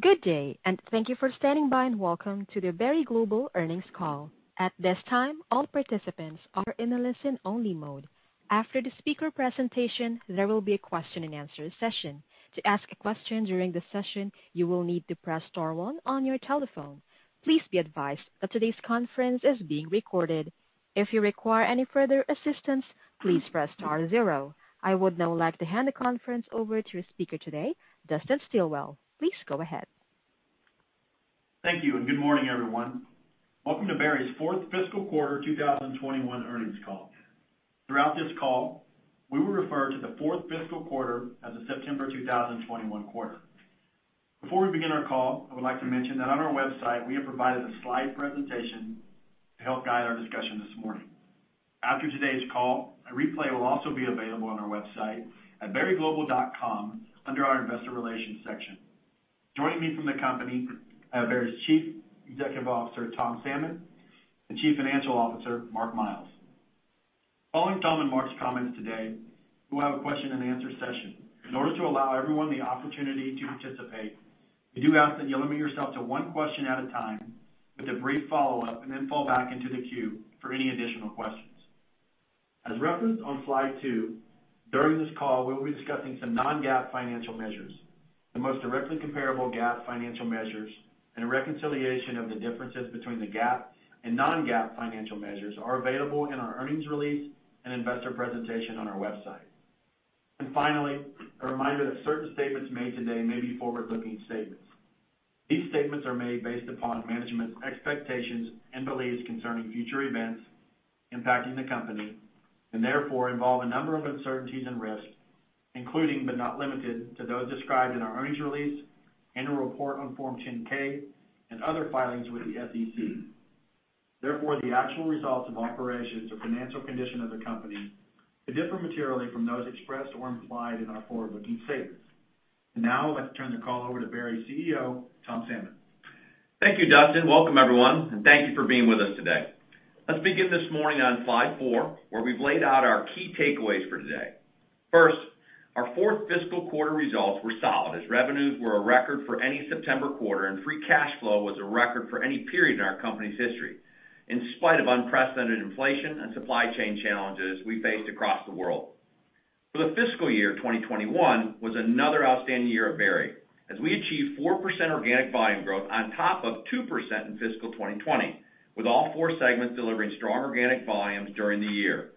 Good day, and thank you for standing by, and welcome to the Berry Global earnings call. At this time, all participants are in a listen-only mode. After the speaker presentation, there will be a question-and-answer session. To ask a question during the session, you will need to press star one on your telephone. Please be advised that today's conference is being recorded. If you require any further assistance, please press star zero. I would now like to hand the conference over to your speaker today, Dustin Stilwell. Please go ahead. Thank you, and good morning, everyone. Welcome to Berry's fourth fiscal quarter 2021 earnings call. Throughout this call, we will refer to the fourth fiscal quarter as the September 2021 quarter. Before we begin our call, I would like to mention that on our website we have provided a slide presentation to help guide our discussion this morning. After today's call, a replay will also be available on our website at berryglobal.com under our Investor Relations section. Joining me from the company, Berry's Chief Executive Officer, Tom Salmon, and Chief Financial Officer, Mark Miles. Following Tom and Mark's comments today, we'll have a question-and-answer session. In order to allow everyone the opportunity to participate, we do ask that you limit yourself to one question at a time with a brief follow-up, and then fall back into the queue for any additional questions. As referenced on slide two, during this call, we will be discussing some non-GAAP financial measures. The most directly comparable GAAP financial measures and a reconciliation of the differences between the GAAP and non-GAAP financial measures are available in our earnings release and investor presentation on our website. Finally, a reminder that certain statements made today may be forward-looking statements. These statements are made based upon management's expectations and beliefs concerning future events impacting the company, and therefore involve a number of uncertainties and risks, including, but not limited to, those described in our earnings release, annual report on Form 10-K, and other filings with the SEC. Therefore, the actual results of operations or financial condition of the company may differ materially from those expressed or implied in our forward-looking statements. Now I'd like to turn the call over to Berry's CEO, Tom Salmon. Thank you, Dustin. Welcome, everyone, and thank you for being with us today. Let's begin this morning on slide four, where we've laid out our key takeaways for today. First, our fourth fiscal quarter results were solid, as revenues were a record for any September quarter, and free cash flow was a record for any period in our company's history, in spite of unprecedented inflation and supply chain challenges we faced across the world. For the fiscal year, 2021 was another outstanding year at Berry, as we achieved 4% organic volume growth on top of 2% in fiscal 2020, with all four segments delivering strong organic volumes during the year.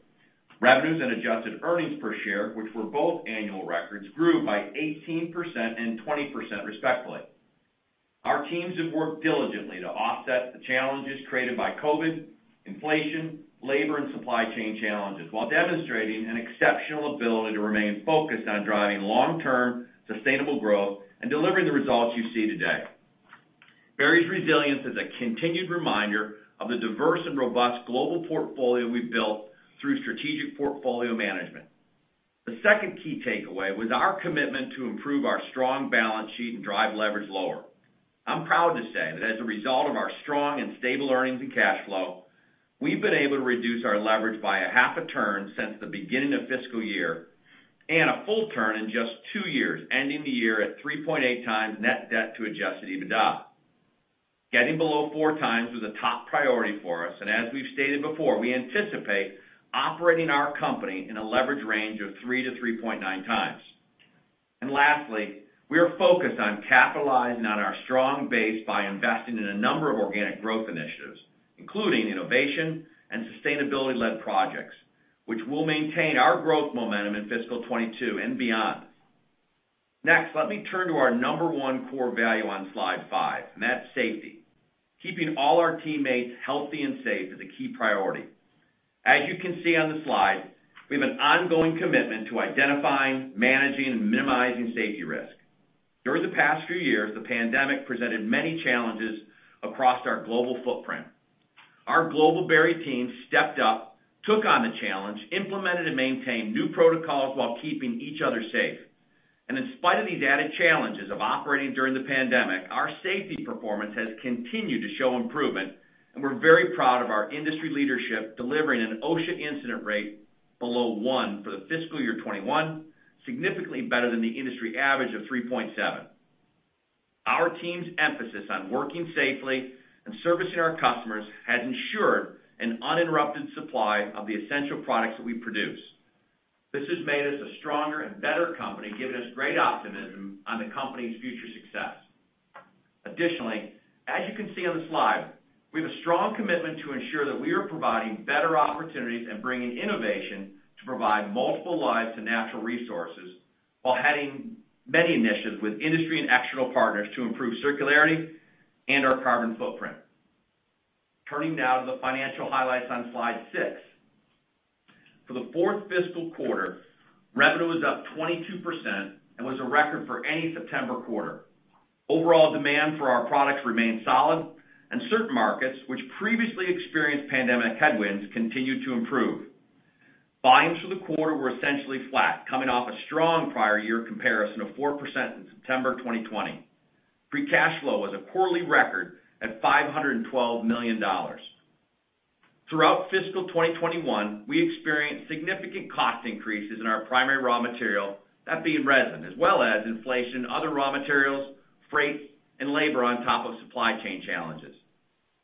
Revenues and adjusted earnings per share, which were both annual records, grew by 18% and 20% respectively. Our teams have worked diligently to offset the challenges created by COVID, inflation, labor, and supply chain challenges, while demonstrating an exceptional ability to remain focused on driving long-term sustainable growth and delivering the results you see today. Berry's resilience is a continued reminder of the diverse and robust global portfolio we've built through strategic portfolio management. The second key takeaway was our commitment to improve our strong balance sheet and drive leverage lower. I'm proud to say that as a result of our strong and stable earnings and cash flow, we've been able to reduce our leverage by a half a turn since the beginning of fiscal year and a full turn in just two years, ending the year at 3.8x net debt to adjusted EBITDA. Getting below 4x was a top priority for us, and as we've stated before, we anticipate operating our company in a leverage range of 3-3.9x. Lastly, we are focused on capitalizing on our strong base by investing in a number of organic growth initiatives, including innovation and sustainability-led projects, which will maintain our growth momentum in fiscal 2022 and beyond. Next, let me turn to our number one core value on slide five, and that's safety. Keeping all our teammates healthy and safe is a key priority. As you can see on the slide, we have an ongoing commitment to identifying, managing, and minimizing safety risk. During the past few years, the pandemic presented many challenges across our global footprint. Our global Berry team stepped up, took on the challenge, implemented and maintained new protocols while keeping each other safe. In spite of these added challenges of operating during the pandemic, our safety performance has continued to show improvement, and we're very proud of our industry leadership, delivering an OSHA incident rate below 1 for the fiscal year 2021, significantly better than the industry average of 3.7. Our team's emphasis on working safely and servicing our customers has ensured an uninterrupted supply of the essential products that we produce. This has made us a stronger and better company, giving us great optimism on the company's future success. Additionally, as you can see on the slide, we have a strong commitment to ensure that we are providing better opportunities and bringing innovation to provide multiple lives to natural resources while having many initiatives with industry and external partners to improve circularity and our carbon footprint. Turning now to the financial highlights on slide six. For the fourth fiscal quarter, revenue was up 22% and was a record for any September quarter. Overall demand for our products remained solid, and certain markets, which previously experienced pandemic headwinds, continued to improve. Volumes for the quarter were essentially flat, coming off a strong prior year comparison of 4% in September 2020. Free cash flow was a quarterly record at $512 million. Throughout fiscal 2021, we experienced significant cost increases in our primary raw material, that being resin, as well as inflation in other raw materials, freight, and labor on top of supply chain challenges.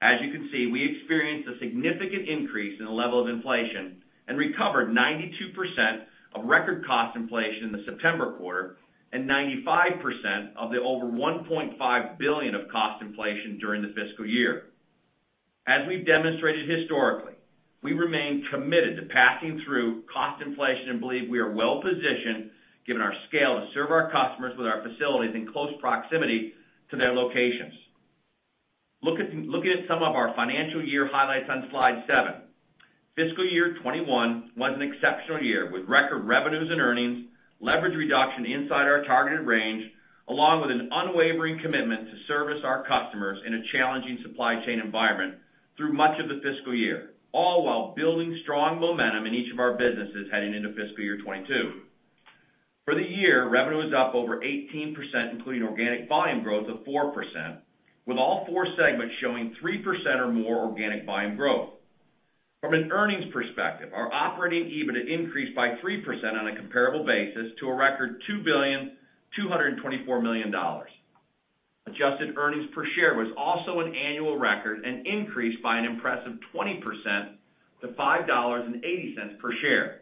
As you can see, we experienced a significant increase in the level of inflation and recovered 92% of record cost inflation in the September quarter and 95% of the over $1.5 billion of cost inflation during the fiscal year. As we've demonstrated historically, we remain committed to passing through cost inflation and believe we are well-positioned, given our scale, to serve our customers with our facilities in close proximity to their locations. Looking at some of our fiscal year highlights on slide seven. Fiscal year 2021 was an exceptional year with record revenues and earnings, leverage reduction inside our targeted range, along with an unwavering commitment to service our customers in a challenging supply chain environment through much of the fiscal year, all while building strong momentum in each of our businesses heading into fiscal year 2022. For the year, revenue was up over 18%, including organic volume growth of 4%, with all four segments showing 3% or more organic volume growth. From an earnings perspective, our operating EBIT increased by 3% on a comparable basis to a record $2.224 billion. Adjusted earnings per share was also an annual record and increased by an impressive 20% to $5.80 per share.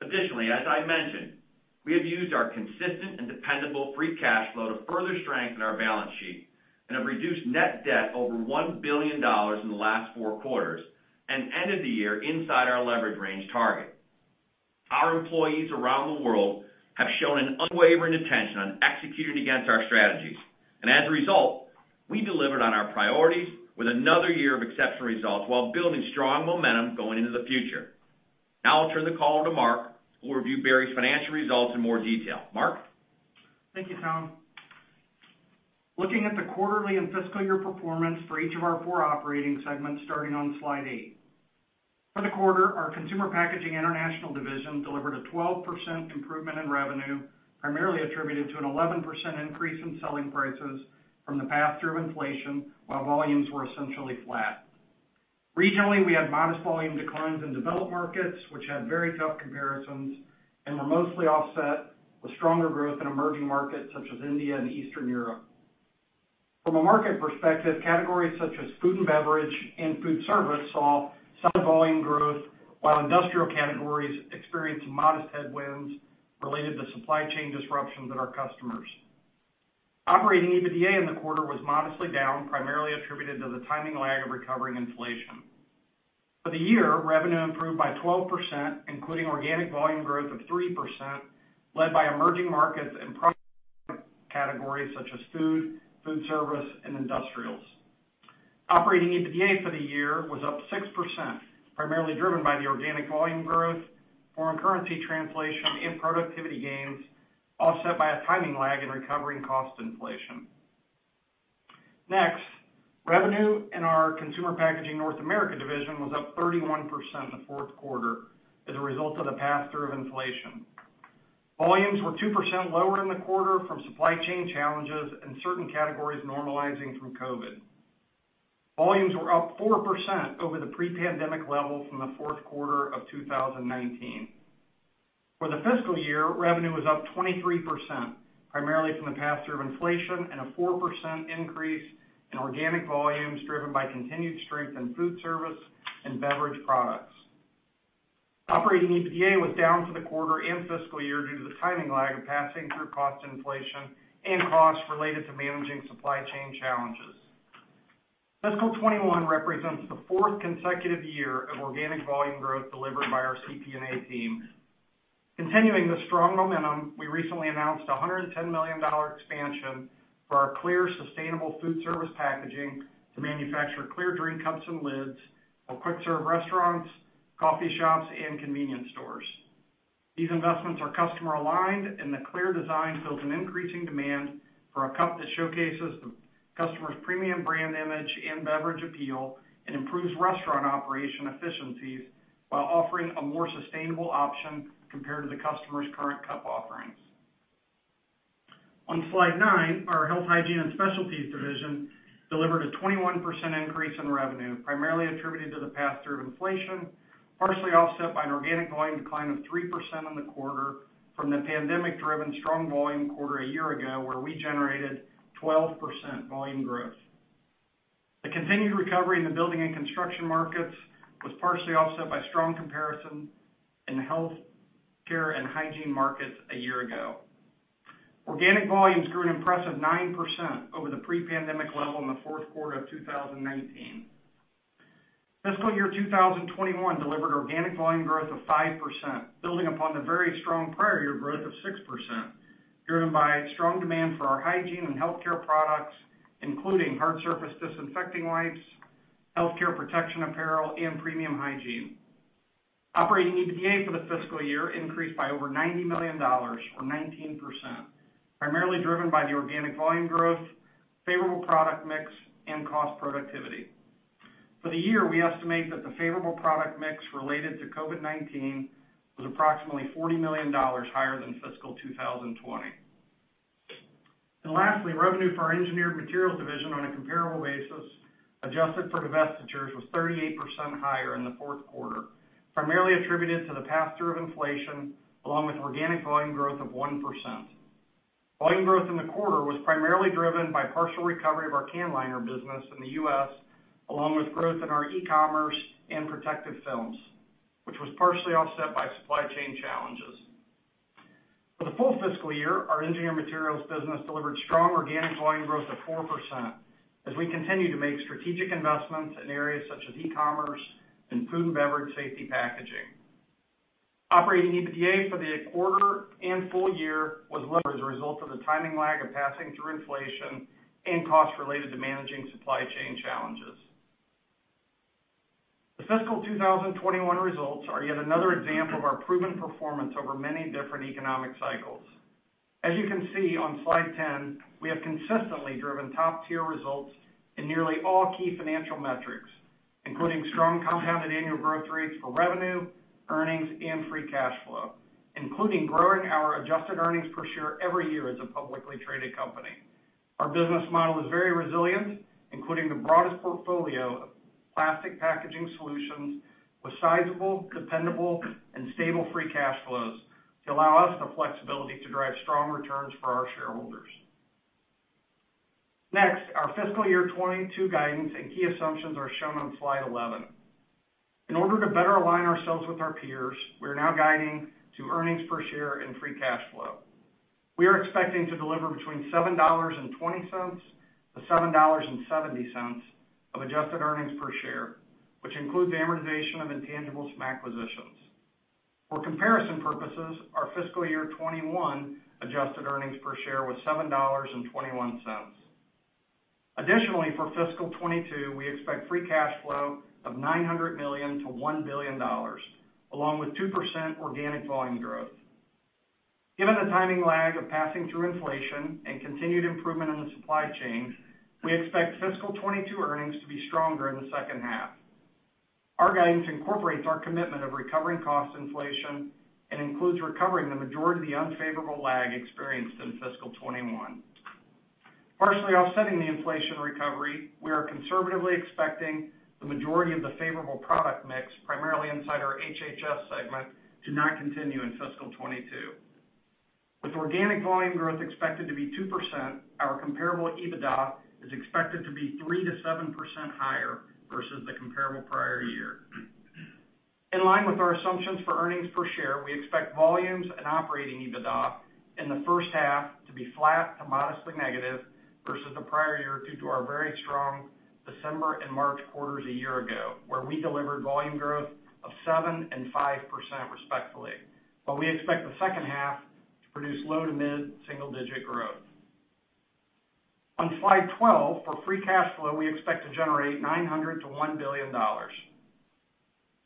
Additionally, as I mentioned, we have used our consistent and dependable free cash flow to further strengthen our balance sheet and have reduced net debt over $1 billion in the last four quarters and ended the year inside our leverage range target. Our employees around the world have shown an unwavering attention on executing against our strategies. As a result, we delivered on our priorities with another year of exceptional results while building strong momentum going into the future. Now I'll turn the call to Mark, who will review Berry's financial results in more detail. Mark? Thank you, Tom. Looking at the quarterly and fiscal year performance for each of our four operating segments starting on slide eight. For the quarter, our Consumer Packaging International division delivered a 12% improvement in revenue, primarily attributed to an 11% increase in selling prices from the pass-through inflation, while volumes were essentially flat. Regionally, we had modest volume declines in developed markets, which had very tough comparisons and were mostly offset with stronger growth in emerging markets such as India and Eastern Europe. From a market perspective, categories such as food and beverage and food service saw some volume growth, while industrial categories experienced modest headwinds related to supply chain disruptions in our customers. Operating EBITDA in the quarter was modestly down, primarily attributed to the timing lag of recovering inflation. For the year, revenue improved by 12%, including organic volume growth of 3%, led by emerging markets and product categories such as food service, and industrials. Operating EBITDA for the year was up 6%, primarily driven by the organic volume growth, foreign currency translation and productivity gains, offset by a timing lag in recovering cost inflation. Next, revenue in our Consumer Packaging North America division was up 31% in the fourth quarter as a result of the pass-through of inflation. Volumes were 2% lower in the quarter from supply chain challenges and certain categories normalizing from COVID. Volumes were up 4% over the pre-pandemic level from the fourth quarter of 2019. For the fiscal year, revenue was up 23%, primarily from the pass-through of inflation and a 4% increase in organic volumes driven by continued strength in food service and beverage products. Operating EBITDA was down for the quarter and fiscal year due to the timing lag of passing through cost inflation and costs related to managing supply chain challenges. Fiscal 2021 represents the fourth consecutive year of organic volume growth delivered by our CPNA team. Continuing the strong momentum, we recently announced a $110 million expansion for our clear, sustainable food service packaging to manufacture clear drink cups and lids for quick serve restaurants, coffee shops, and convenience stores. These investments are customer-aligned, and the clear design fills an increasing demand for a cup that showcases the customer's premium brand image and beverage appeal and improves restaurant operation efficiencies while offering a more sustainable option compared to the customer's current cup offerings. On slide nine, our Health, Hygiene, and Specialties division delivered a 21% increase in revenue, primarily attributed to the pass-through of inflation, partially offset by an organic volume decline of 3% in the quarter from the pandemic-driven strong volume quarter a year ago, where we generated 12% volume growth. The continued recovery in the building and construction markets was partially offset by strong comparison in the healthcare and hygiene markets a year ago. Organic volumes grew an impressive 9% over the pre-pandemic level in the fourth quarter of 2019. Fiscal year 2021 delivered organic volume growth of 5%, building upon the very strong prior year growth of 6%, driven by strong demand for our hygiene and healthcare products, including hard surface disinfectant wipes, healthcare protection apparel, and premium hygiene. Operating EBITDA for the fiscal year increased by over $90 million or 19%, primarily driven by the organic volume growth, favorable product mix, and cost productivity. For the year, we estimate that the favorable product mix related to COVID-19 was approximately $40 million higher than fiscal 2020. Lastly, revenue for our Engineered Materials division on a comparable basis, adjusted for divestitures, was 38% higher in the fourth quarter, primarily attributed to the pass-through of inflation, along with organic volume growth of 1%. Volume growth in the quarter was primarily driven by partial recovery of our can liner business in the U.S., along with growth in our e-commerce and protective films, which was partially offset by supply chain challenges. For the full fiscal year, our Engineered Materials business delivered strong organic volume growth of 4% as we continue to make strategic investments in areas such as e-commerce and food and beverage safety packaging. Operating EBITDA for the quarter and full year was lower as a result of the timing lag of passing through inflation and costs related to managing supply chain challenges. The fiscal 2021 results are yet another example of our proven performance over many different economic cycles. As you can see on slide 10, we have consistently driven top-tier results in nearly all key financial metrics, including strong compounded annual growth rates for revenue, earnings, and free cash flow, including growing our adjusted earnings per share every year as a publicly traded company. Our business model is very resilient, including the broadest portfolio of plastic packaging solutions with sizable, dependable, and stable free cash flows to allow us the flexibility to drive strong returns for our shareholders. Next, our fiscal year 2022 guidance and key assumptions are shown on slide 11. In order to better align ourselves with our peers, we are now guiding to earnings per share and free cash flow. We are expecting to deliver between $7.20-$7.70 of adjusted earnings per share, which includes the amortization of intangibles from acquisitions. For comparison purposes, our fiscal year 2021 adjusted earnings per share was $7.21. Additionally, for fiscal 2022, we expect free cash flow of $900 million-$1 billion, along with 2% organic volume growth. Given the timing lag of passing through inflation and continued improvement in the supply chain, we expect fiscal 2022 earnings to be stronger in the second half. Our guidance incorporates our commitment of recovering cost inflation and includes recovering the majority of the unfavorable lag experienced in fiscal 2021. Partially offsetting the inflation recovery, we are conservatively expecting the majority of the favorable product mix, primarily inside our HHS segment, to not continue in fiscal 2022. With organic volume growth expected to be 2%, our comparable EBITDA is expected to be 3%-7% higher versus the comparable prior year. In line with our assumptions for earnings per share, we expect volumes and operating EBITDA in the first half to be flat to modestly negative versus the prior year due to our very strong December and March quarters a year ago, where we delivered volume growth of 7% and 5% respectively. We expect the second half to produce low to mid-single digit growth. On slide 12, for free cash flow, we expect to generate $900 million-$1 billion.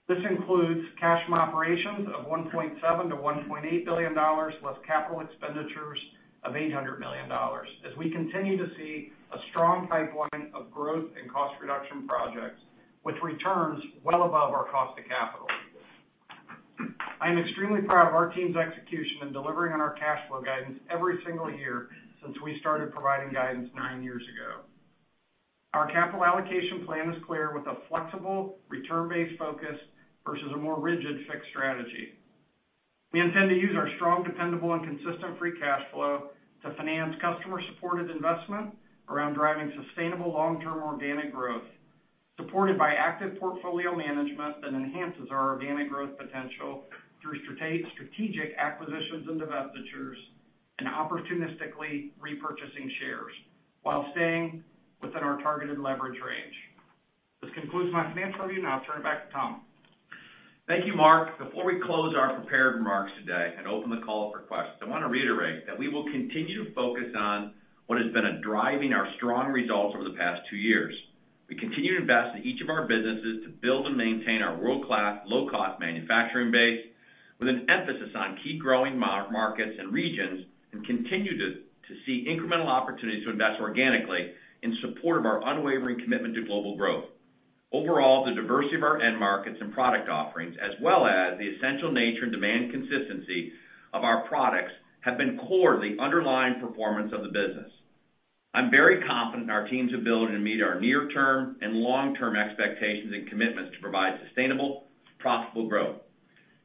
This includes cash from operations of $1.7 billion-$1.8 billion, plus capital expenditures of $800 million as we continue to see a strong pipeline of growth and cost reduction projects with returns well above our cost of capital. I am extremely proud of our team's execution in delivering on our cash flow guidance every single year since we started providing guidance nine years ago. Our capital allocation plan is clear with a flexible return-based focus versus a more rigid fixed strategy. We intend to use our strong, dependable, and consistent free cash flow to finance customer-supported investment around driving sustainable long-term organic growth, supported by active portfolio management that enhances our organic growth potential through strategic acquisitions and divestitures, and opportunistically repurchasing shares while staying within our targeted leverage range. This concludes my financial review. Now I'll turn it back to Tom. Thank you, Mark. Before we close our prepared remarks today and open the call for questions, I want to reiterate that we will continue to focus on what has been driving our strong results over the past two years. We continue to invest in each of our businesses to build and maintain our world-class, low-cost manufacturing base with an emphasis on key growing markets and regions, and continue to see incremental opportunities to invest organically in support of our unwavering commitment to global growth. Overall, the diversity of our end markets and product offerings, as well as the essential nature and demand consistency of our products, have been core to the underlying performance of the business. I'm very confident in our team's ability to meet our near-term and long-term expectations and commitments to provide sustainable, profitable growth.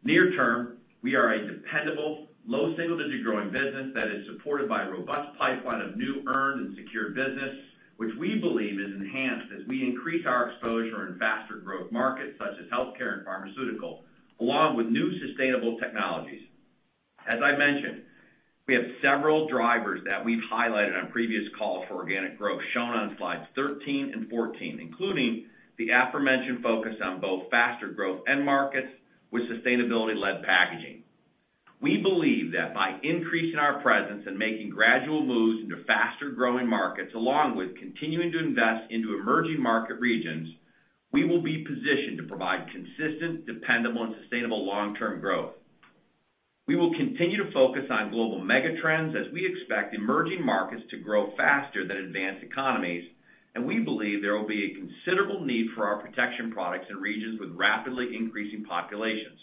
Near term, we are a dependable, low single-digit growing business that is supported by a robust pipeline of new earned and secured business, which we believe is enhanced as we increase our exposure in faster growth markets such as healthcare and pharmaceutical, along with new sustainable technologies. As I mentioned, we have several drivers that we've highlighted on previous calls for organic growth shown on slides 13 and 14, including the aforementioned focus on both faster growth end markets with sustainability-led packaging. We believe that by increasing our presence and making gradual moves into faster-growing markets, along with continuing to invest into emerging market regions, we will be positioned to provide consistent, dependable, and sustainable long-term growth. We will continue to focus on global mega trends as we expect emerging markets to grow faster than advanced economies, and we believe there will be a considerable need for our protection products in regions with rapidly increasing populations.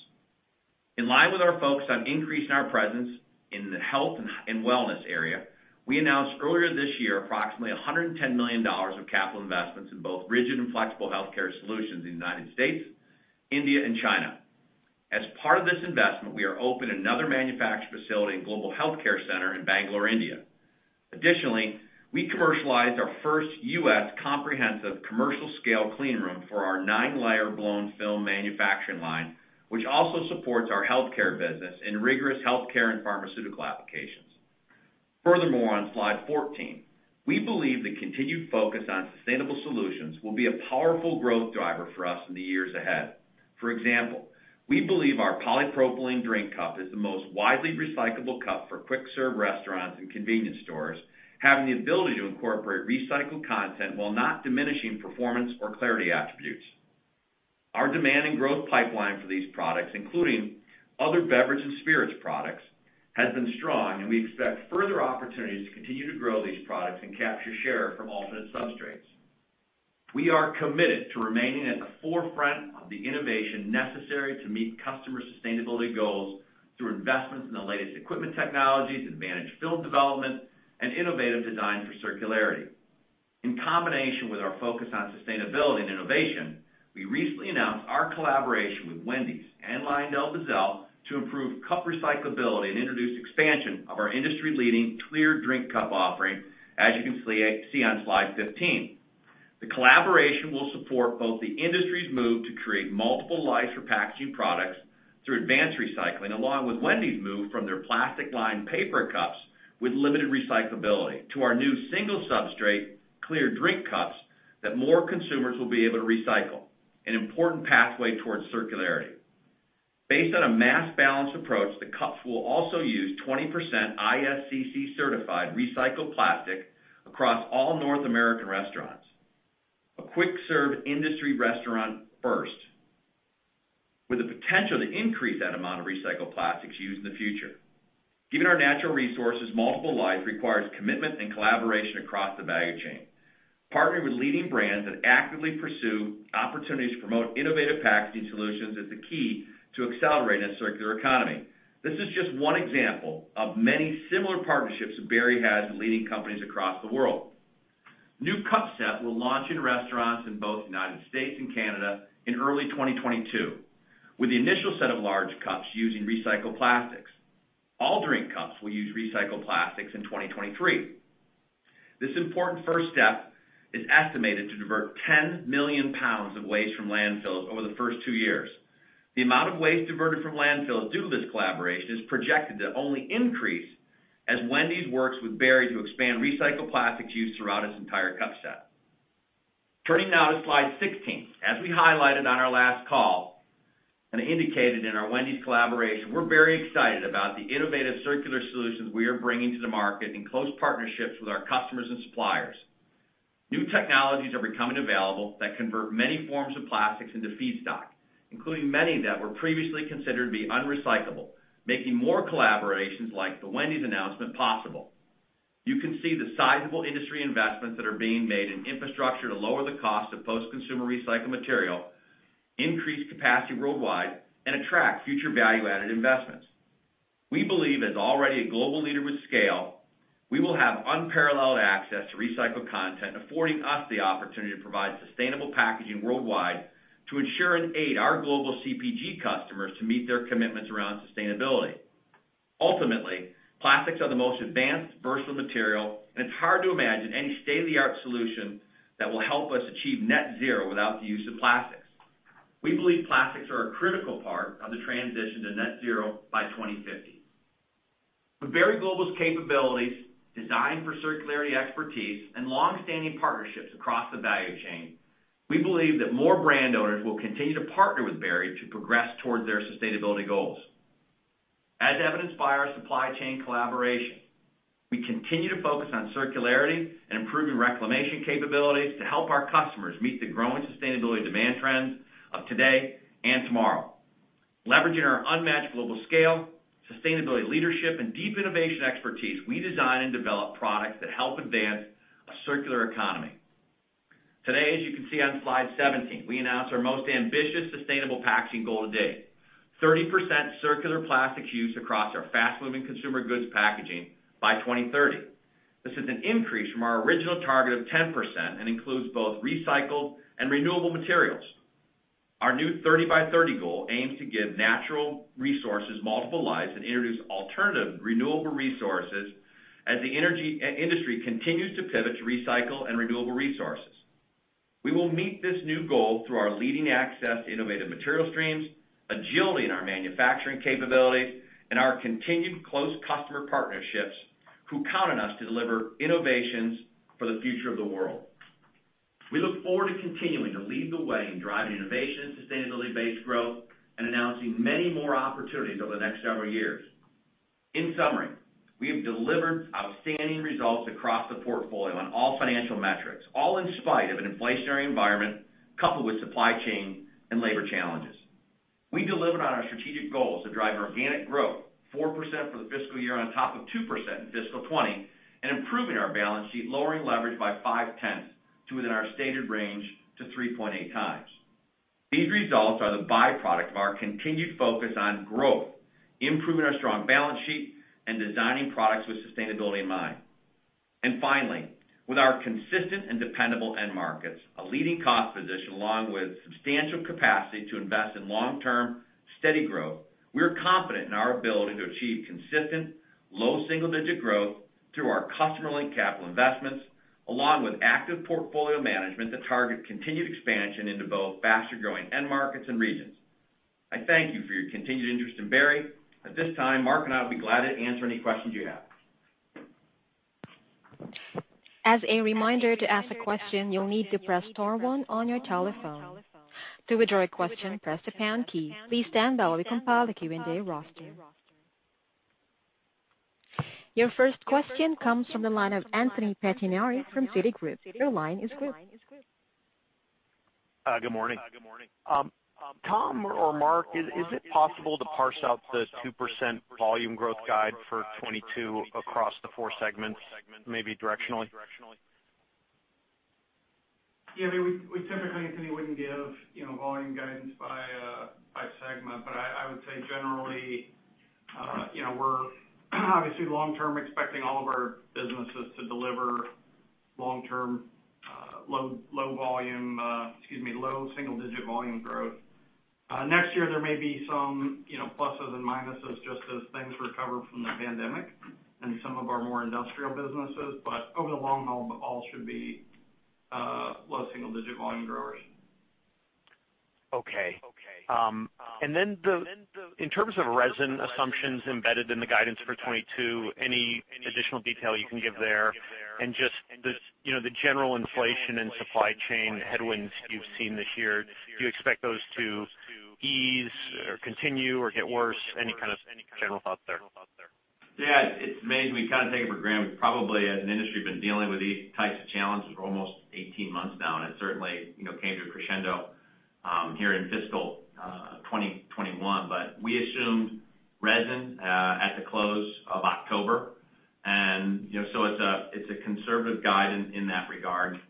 In line with our focus on increasing our presence in the health and wellness area, we announced earlier this year approximately $110 million of capital investments in both rigid and flexible healthcare solutions in the United States, India and China. As part of this investment, we opened another manufacturing facility in Global Healthcare Center in Bangalore, India. Additionally, we commercialized our first U.S. comprehensive commercial scale clean room for our nine-layer blown film manufacturing line, which also supports our healthcare business in rigorous healthcare and pharmaceutical applications. Furthermore, on slide 14, we believe the continued focus on sustainable solutions will be a powerful growth driver for us in the years ahead. For example, we believe our polypropylene drink cup is the most widely recyclable cup for quick-service restaurants and convenience stores, having the ability to incorporate recycled content while not diminishing performance or clarity attributes. Our demand and growth pipeline for these products, including other beverage and spirits products, has been strong, and we expect further opportunities to continue to grow these products and capture share from alternate substrates. We are committed to remaining at the forefront of the innovation necessary to meet customer sustainability goals through investments in the latest equipment technologies, advanced film development, and innovative design for circularity. In combination with our focus on sustainability and innovation, we recently announced our collaboration with Wendy's and LyondellBasell to improve cup recyclability and introduce expansion of our industry-leading clear drink cup offering, as you can see on slide 15. The collaboration will support both the industry's move to create multiple lives for packaging products through advanced recycling, along with Wendy's move from their plastic-lined paper cups with limited recyclability to our new single substrate clear drink cups that more consumers will be able to recycle, an important pathway towards circularity. Based on a mass balance approach, the cups will also use 20% ISCC-certified recycled plastic across all North American restaurants. A quick-serve industry restaurant first with the potential to increase that amount of recycled plastics used in the future. Given our natural resources, multiple lives requires commitment and collaboration across the value chain. Partnering with leading brands that actively pursue opportunities to promote innovative packaging solutions is the key to accelerating a circular economy. This is just one example of many similar partnerships Berry has with leading companies across the world. New cup set will launch in restaurants in both United States and Canada in early 2022, with the initial set of large cups using recycled plastics. All drink cups will use recycled plastics in 2023. This important first step is estimated to divert 10 million pounds of waste from landfills over the first two years. The amount of waste diverted from landfills due to this collaboration is projected to only increase as Wendy's works with Berry to expand recycled plastics used throughout its entire cup set. Turning now to slide 16. As we highlighted on our last call and indicated in our Wendy's collaboration, we're very excited about the innovative circular solutions we are bringing to the market in close partnerships with our customers and suppliers. New technologies are becoming available that convert many forms of plastics into feedstock, including many that were previously considered to be unrecyclable, making more collaborations like the Wendy's announcement possible. You can see the sizable industry investments that are being made in infrastructure to lower the cost of post-consumer recycled material, increase capacity worldwide, and attract future value-added investments. We believe as already a global leader with scale, we will have unparalleled access to recycled content, affording us the opportunity to provide sustainable packaging worldwide to ensure and aid our global CPG customers to meet their commitments around sustainability. Ultimately, plastics are the most advanced versatile material, and it's hard to imagine any state-of-the-art solution that will help us achieve net zero without the use of plastics. We believe plastics are a critical part of the transition to net zero by 2050. With Berry Global's capabilities, designed for circularity expertise and long-standing partnerships across the value chain, we believe that more brand owners will continue to partner with Berry to progress towards their sustainability goals. As evidenced by our supply chain collaboration, we continue to focus on circularity and improving reclamation capabilities to help our customers meet the growing sustainability demand trends of today and tomorrow. Leveraging our unmatched global scale, sustainability leadership, and deep innovation expertise, we design and develop products that help advance a circular economy. Today, as you can see on slide 17, we announced our most ambitious sustainable packaging goal to date, 30% circular plastics use across our fast-moving consumer goods packaging by 2030. This is an increase from our original target of 10% and includes both recycled and renewable materials. Our new 30 by 30 goal aims to give natural resources multiple lives and introduce alternative renewable resources as the energy industry continues to pivot to recycled and renewable resources. We will meet this new goal through our leading access to innovative material streams, agility in our manufacturing capabilities, and our continued close customer partnerships who count on us to deliver innovations for the future of the world. We look forward to continuing to lead the way in driving innovation, sustainability-based growth, and announcing many more opportunities over the next several years. In summary, we have delivered outstanding results across the portfolio on all financial metrics, all in spite of an inflationary environment coupled with supply chain and labor challenges. We delivered on our strategic goals to drive organic growth. 4% for the fiscal year on top of 2% in fiscal 2020, and improving our balance sheet, lowering leverage by 0.5 to within our stated range to 3.8 times. These results are the byproduct of our continued focus on growth, improving our strong balance sheet, and designing products with sustainability in mind. Finally, with our consistent and dependable end markets, a leading cost position, along with substantial capacity to invest in long-term steady growth, we are confident in our ability to achieve consistent low single-digit growth through our customer-linked capital investments, along with active portfolio management to target continued expansion into both faster-growing end markets and regions. I thank you for your continued interest in Berry. At this time, Mark and I will be glad to answer any questions you have. As a reminder, to ask a question, you'll need to press star one on your telephone. To withdraw your question, press the pound key. Please stand by while we compile the Q&A roster. Your first question comes from the line of Anthony Pettinari from Citigroup. Your line is good. Good morning. Tom or Mark, is it possible to parse out the 2% volume growth guide for 2022 across the four segments, maybe directionally? Yeah. I mean, we typically, Anthony, wouldn't give, you know, volume guidance by segment. I would say generally, you know, we're obviously long term expecting all of our businesses to deliver long-term low single-digit volume growth. Next year, there may be some, you know, pluses and minuses just as things recover from the pandemic in some of our more industrial businesses. Over the long haul, all should be low single-digit volume growers. Okay. In terms of resin assumptions embedded in the guidance for 2022, any additional detail you can give there? Just the, you know, the general inflation and supply chain headwinds you've seen this year, do you expect those to ease or continue or get worse? Any kind of general thoughts there? Yeah. It's amazing. We kind of take it for granted. We probably, as an industry, been dealing with these types of challenges for almost 18 months now. It certainly, you know, came to a crescendo here in fiscal 2021. We assumed resin at the close of October, and, you know, so it's a conservative guide in that regard.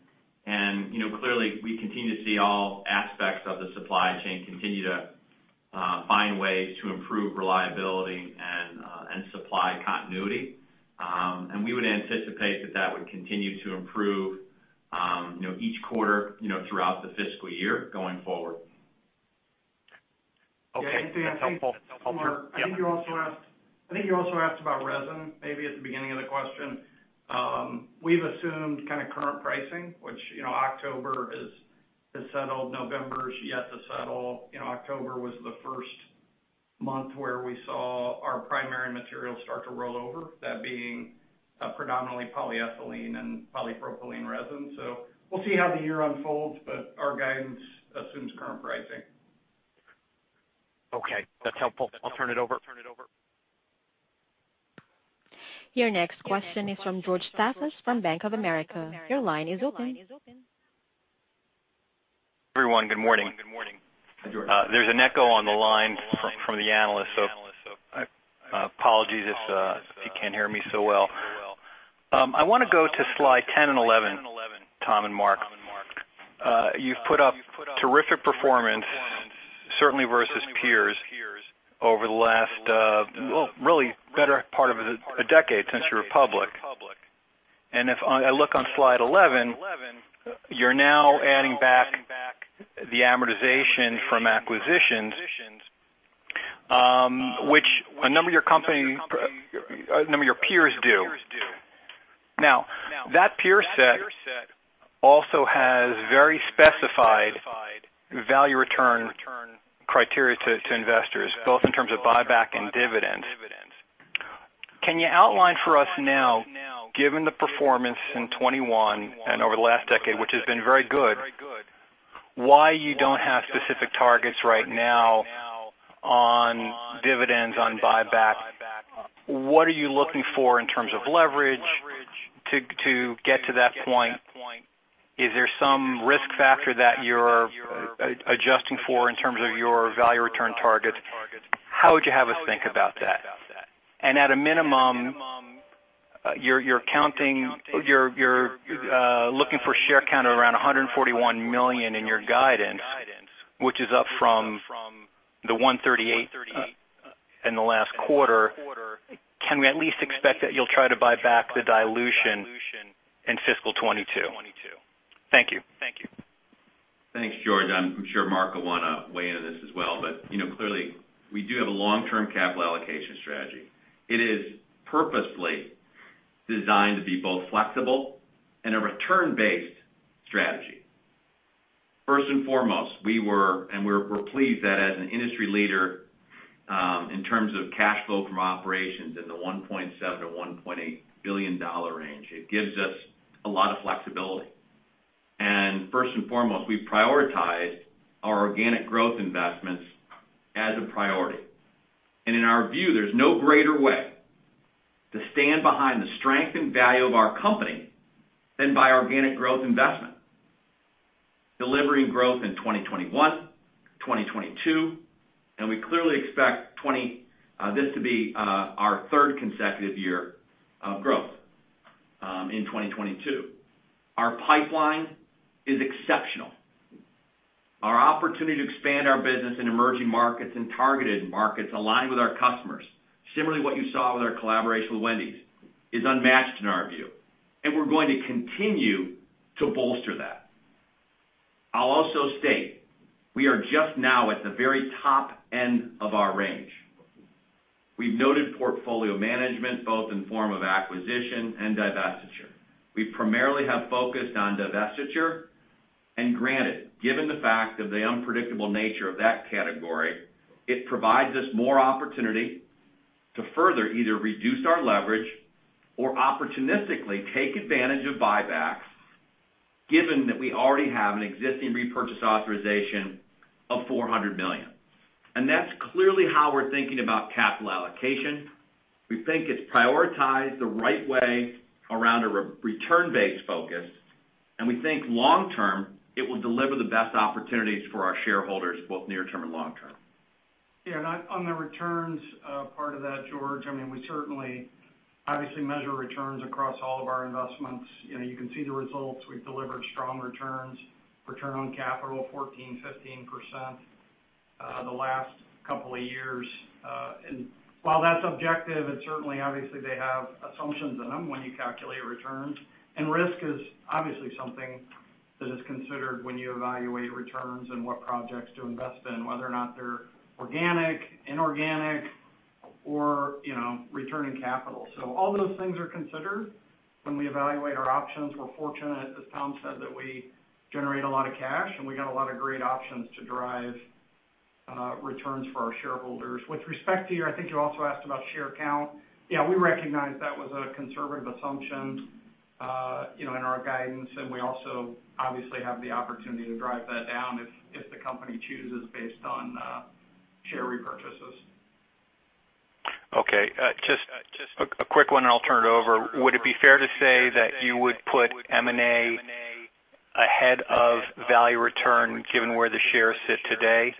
Clearly, we continue to see all aspects of the supply chain continue to find ways to improve reliability and supply continuity. We would anticipate that would continue to improve, you know, each quarter, you know, throughout the fiscal year going forward. Okay. That's helpful. Yeah, Anthony, I think— Yeah. I think you also asked about resin maybe at the beginning of the question. We've assumed kinda current pricing, which, you know, October is settled. November is yet to settle. You know, October was the first month where we saw our primary materials start to roll over, that being predominantly polyethylene and polypropylene resin. We'll see how the year unfolds, but our guidance assumes current pricing. Okay. That's helpful. I'll turn it over. Your next question is from George Staphos from Bank of America. Your line is open. Everyone, good morning. Hi, George. There's an echo on the line from the analyst, so apologies if you can't hear me so well. I wanna go to slide 10 and 11, Tom and Mark. You've put up terrific performance, certainly versus peers over the last, really better part of a decade since you were public. If I look on slide 11, you're now adding back the amortization from acquisitions, which a number of your peers do. Now, that peer set also has very specified value return criteria to investors, both in terms of buyback and dividends. Can you outline for us now, given the performance in 2021 and over the last decade, which has been very good, why you don't have specific targets right now on dividends on buyback? What are you looking for in terms of leverage to get to that point? Is there some risk factor that you're adjusting for in terms of your value return targets? How would you have us think about that? At a minimum, you're looking for share count of around 141 million in your guidance, which is up from the 138 in the last quarter. Can we at least expect that you'll try to buy back the dilution in fiscal 2022? Thank you. Thanks, George. I'm sure Mark will wanna weigh in on this as well. You know, clearly, we do have a long-term capital allocation strategy. It is purposely designed to be both flexible and a return-based strategy. First and foremost, we're pleased that as an industry leader, in terms of cash flow from operations in the $1.7 billion-$1.8 billion range, it gives us a lot of flexibility. First and foremost, we've prioritized our organic growth investments as a priority. In our view, there's no greater way to stand behind the strength and value of our company than by organic growth investment. Delivering growth in 2021, 2022, and we clearly expect this to be our third consecutive year of growth in 2022. Our pipeline is exceptional. Our opportunity to expand our business in emerging markets and targeted markets align with our customers. Similarly, what you saw with our collaboration with Wendy's is unmatched in our view, and we're going to continue to bolster that. I'll also state we are just now at the very top end of our range. We've noted portfolio management, both in form of acquisition and divestiture. We primarily have focused on divestiture. Granted, given the fact of the unpredictable nature of that category, it provides us more opportunity to further either reduce our leverage or opportunistically take advantage of buybacks, given that we already have an existing repurchase authorization of $400 million. That's clearly how we're thinking about capital allocation. We think it's prioritized the right way around a return-based focus, and we think long-term, it will deliver the best opportunities for our shareholders, both near-term and long-term. Yeah. On the returns, part of that, George, I mean, we certainly obviously measure returns across all of our investments. You know, you can see the results. We've delivered strong returns. Return on capital 14%-15%, the last couple of years. While that's objective, it's certainly obviously they have assumptions in them when you calculate returns. Risk is obviously something that is considered when you evaluate returns and what projects to invest in, whether or not they're organic, inorganic or, you know, returning capital. All those things are considered when we evaluate our options. We're fortunate, as Tom said, that we generate a lot of cash, and we got a lot of great options to drive returns for our shareholders. With respect to your, I think you also asked about share count. Yeah, we recognize that was a conservative assumption, you know, in our guidance. We also obviously have the opportunity to drive that down if the company chooses based on share repurchases. Okay. Just a quick one, and I'll turn it over. Would it be fair to say that you would put M&A ahead of value return given where the shares sit today?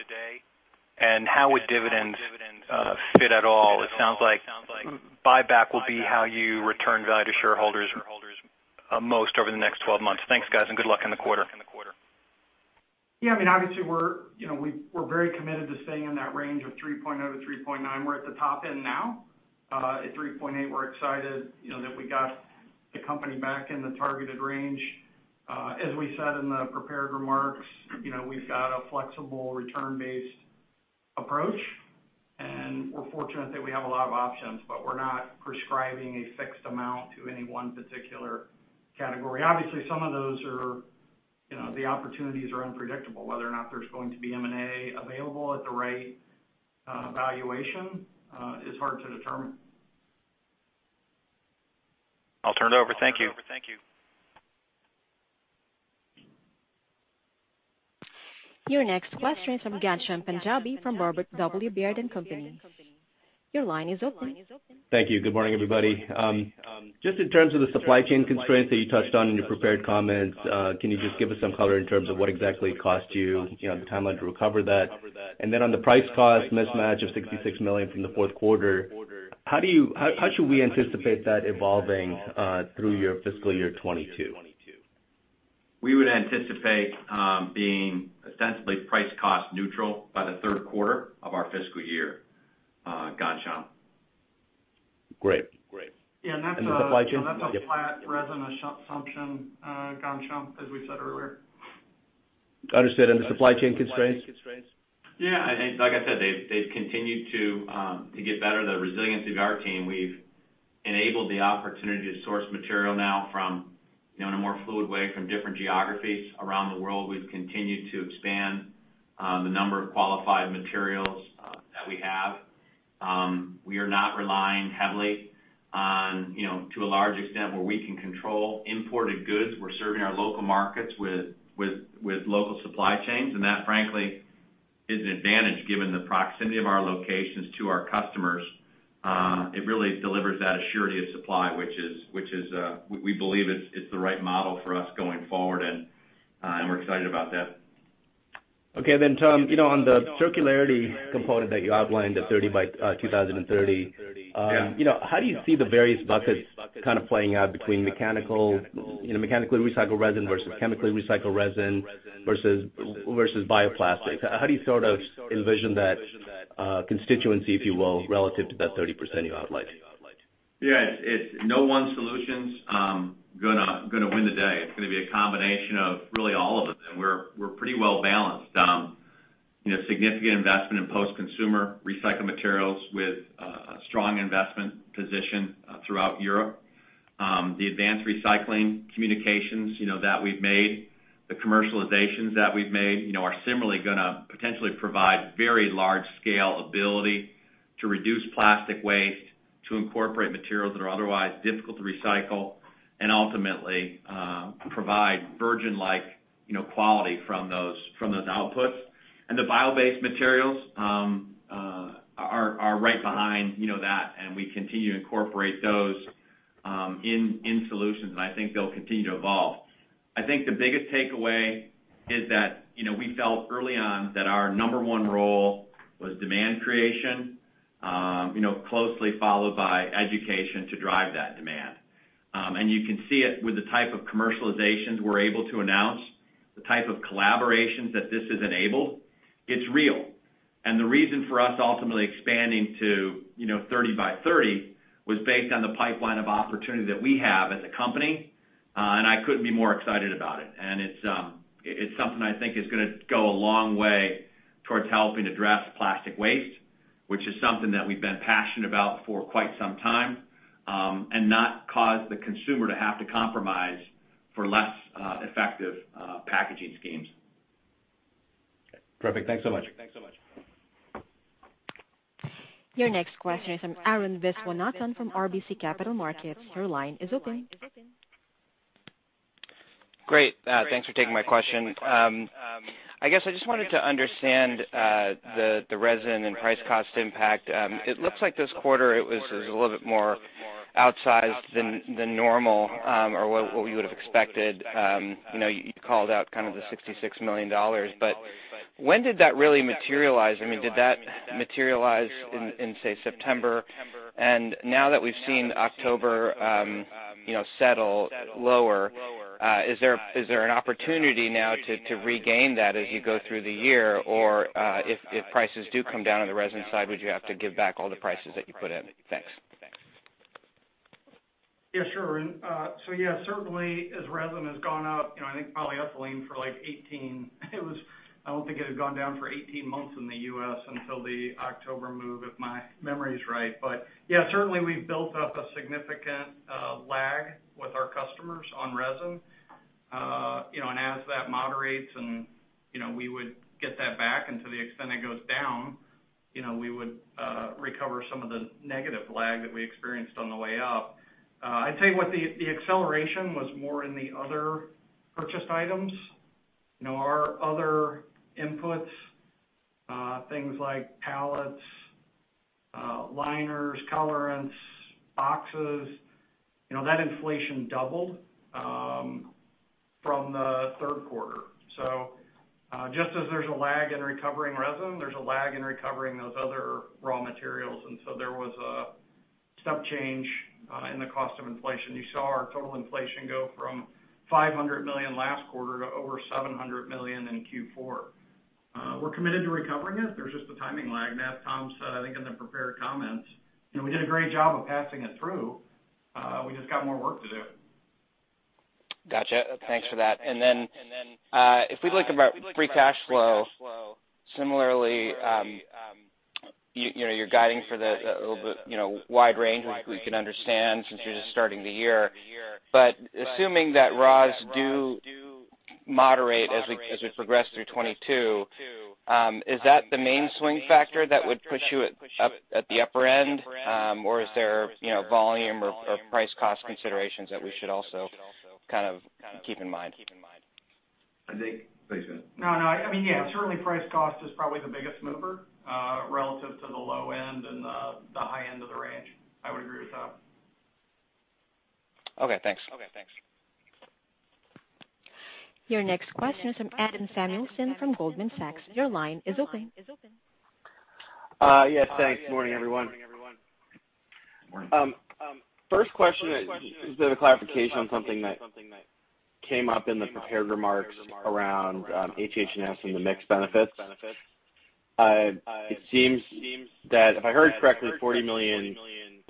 How would dividends fit at all? It sounds like buyback will be how you return value to shareholders most over the next twelve months. Thanks, guys, and good luck in the quarter. Yeah, I mean, obviously we're, you know, we're very committed to staying in that range of 3.0-3.9. We're at the top end now. At 3.8, we're excited, you know, that we got the company back in the targeted range. As we said in the prepared remarks, you know, we've got a flexible return-based approach, and we're fortunate that we have a lot of options, but we're not prescribing a fixed amount to any one particular category. Obviously, some of those are, you know, the opportunities are unpredictable. Whether or not there's going to be M&A available at the right valuation is hard to determine. I'll turn it over. Thank you. Your next question is from Ghansham Panjabi from Robert W. Baird & Company. Your line is open. Thank you. Good morning, everybody. Just in terms of the supply chain constraints that you touched on in your prepared comments, can you just give us some color in terms of what exactly it cost you know, the timeline to recover that? On the price-cost mismatch of $66 million from the fourth quarter, how should we anticipate that evolving through your fiscal year 2022? We would anticipate being ostensibly price-cost neutral by the third quarter of our fiscal year, Ghansham. Great. Yeah, that's— The supply chain? Yep. —that's a flat resin assumption, Ghansham, as we said earlier. Understood. The supply chain constraints? Yeah. Like I said, they've continued to get better. The resiliency of our team. We've enabled the opportunity to source material now in a more fluid way from different geographies around the world. We've continued to expand the number of qualified materials that we have. We are not relying heavily on imported goods to a large extent where we can control them. We're serving our local markets with local supply chains, and that, frankly, is an advantage given the proximity of our locations to our customers. It really delivers that surety of supply, which we believe is the right model for us going forward, and we're excited about that. Okay, Tom, you know, on the circularity component that you outlined at 30 by 2030. Yeah You know, how do you see the various buckets kind of playing out between mechanical, you know, mechanically recycled resin versus chemically recycled resin versus bioplastics? How do you sort of envision that constituency, if you will, relative to that 30% you outlined? Yeah. It's no one solution's gonna win the day. It's gonna be a combination of really all of them, and we're pretty well balanced. You know, significant investment in post-consumer recycled materials with a strong investment position throughout Europe. The advanced recycling communications, you know, that we've made, the commercializations that we've made, you know, are similarly gonna potentially provide very large scale ability to reduce plastic waste, to incorporate materials that are otherwise difficult to recycle and ultimately provide virgin-like, you know, quality from those outputs. The bio-based materials. We are right behind, you know, that, and we continue to incorporate those in solutions, and I think they'll continue to evolve. I think the biggest takeaway is that, you know, we felt early on that our number one role was demand creation, you know, closely followed by education to drive that demand. You can see it with the type of commercializations we're able to announce, the type of collaborations that this has enabled. It's real. The reason for us ultimately expanding to, you know, 30 by 30 was based on the pipeline of opportunity that we have as a company, and I couldn't be more excited about it. It's something I think is gonna go a long way towards helping address plastic waste, which is something that we've been passionate about for quite some time, and not cause the consumer to have to compromise for less effective packaging schemes. Perfect. Thanks so much. Your next question is from Arun Viswanathan from RBC Capital Markets. Your line is open. Great. Thanks for taking my question. I guess I just wanted to understand the resin and price cost impact. It looks like this quarter it was a little bit more outsized than normal, or what we would have expected. You know, you called out kind of the $66 million, but when did that really materialize? I mean, did that materialize in, say, September? And now that we've seen October, you know, settle lower, is there an opportunity now to regain that as you go through the year? Or, if prices do come down on the resin side, would you have to give back all the prices that you put in? Thanks. Yeah, sure. Certainly as resin has gone up, you know, I think polyethylene for like 18, it was. I don't think it had gone down for 18 months in the U.S. until the October move, if my memory is right. Certainly we've built up a significant lag with our customers on resin. You know, as that moderates and, you know, we would get that back and to the extent it goes down, you know, we would recover some of the negative lag that we experienced on the way up. I'd say what the acceleration was more in the other purchased items. You know, our other inputs, things like pallets, liners, colorants, boxes, you know, that inflation doubled from the third quarter. Just as there's a lag in recovering resin, there's a lag in recovering those other raw materials. There was a step change in the cost of inflation. You saw our total inflation go from $500 million last quarter to over $700 million in Q4. We're committed to recovering it. There's just a timing lag. As Tom said, I think in the prepared comments, you know, we did a great job of passing it through. We just got more work to do. Gotcha. Thanks for that. Then, if we look at free cash flow, similarly, you know, you're guiding for the wide range, which we can understand since you're just starting the year. Assuming that raws do moderate as we progress through 2022, is that the main swing factor that would push you up to the upper end? Or is there, you know, volume or price cost considerations that we should also kind of keep in mind? Nick, please go ahead. No, no. I mean, yeah, certainly price cost is probably the biggest mover, relative to the low end and the high end of the range. I would agree with that. Okay, thanks. Your next question is from Adam Samuelson from Goldman Sachs. Your line is open. Yes, thanks. Morning, everyone. Morning. First question is a bit of clarification on something that came up in the prepared remarks around HH&S and the mix benefits. It seems that if I heard correctly, $40 million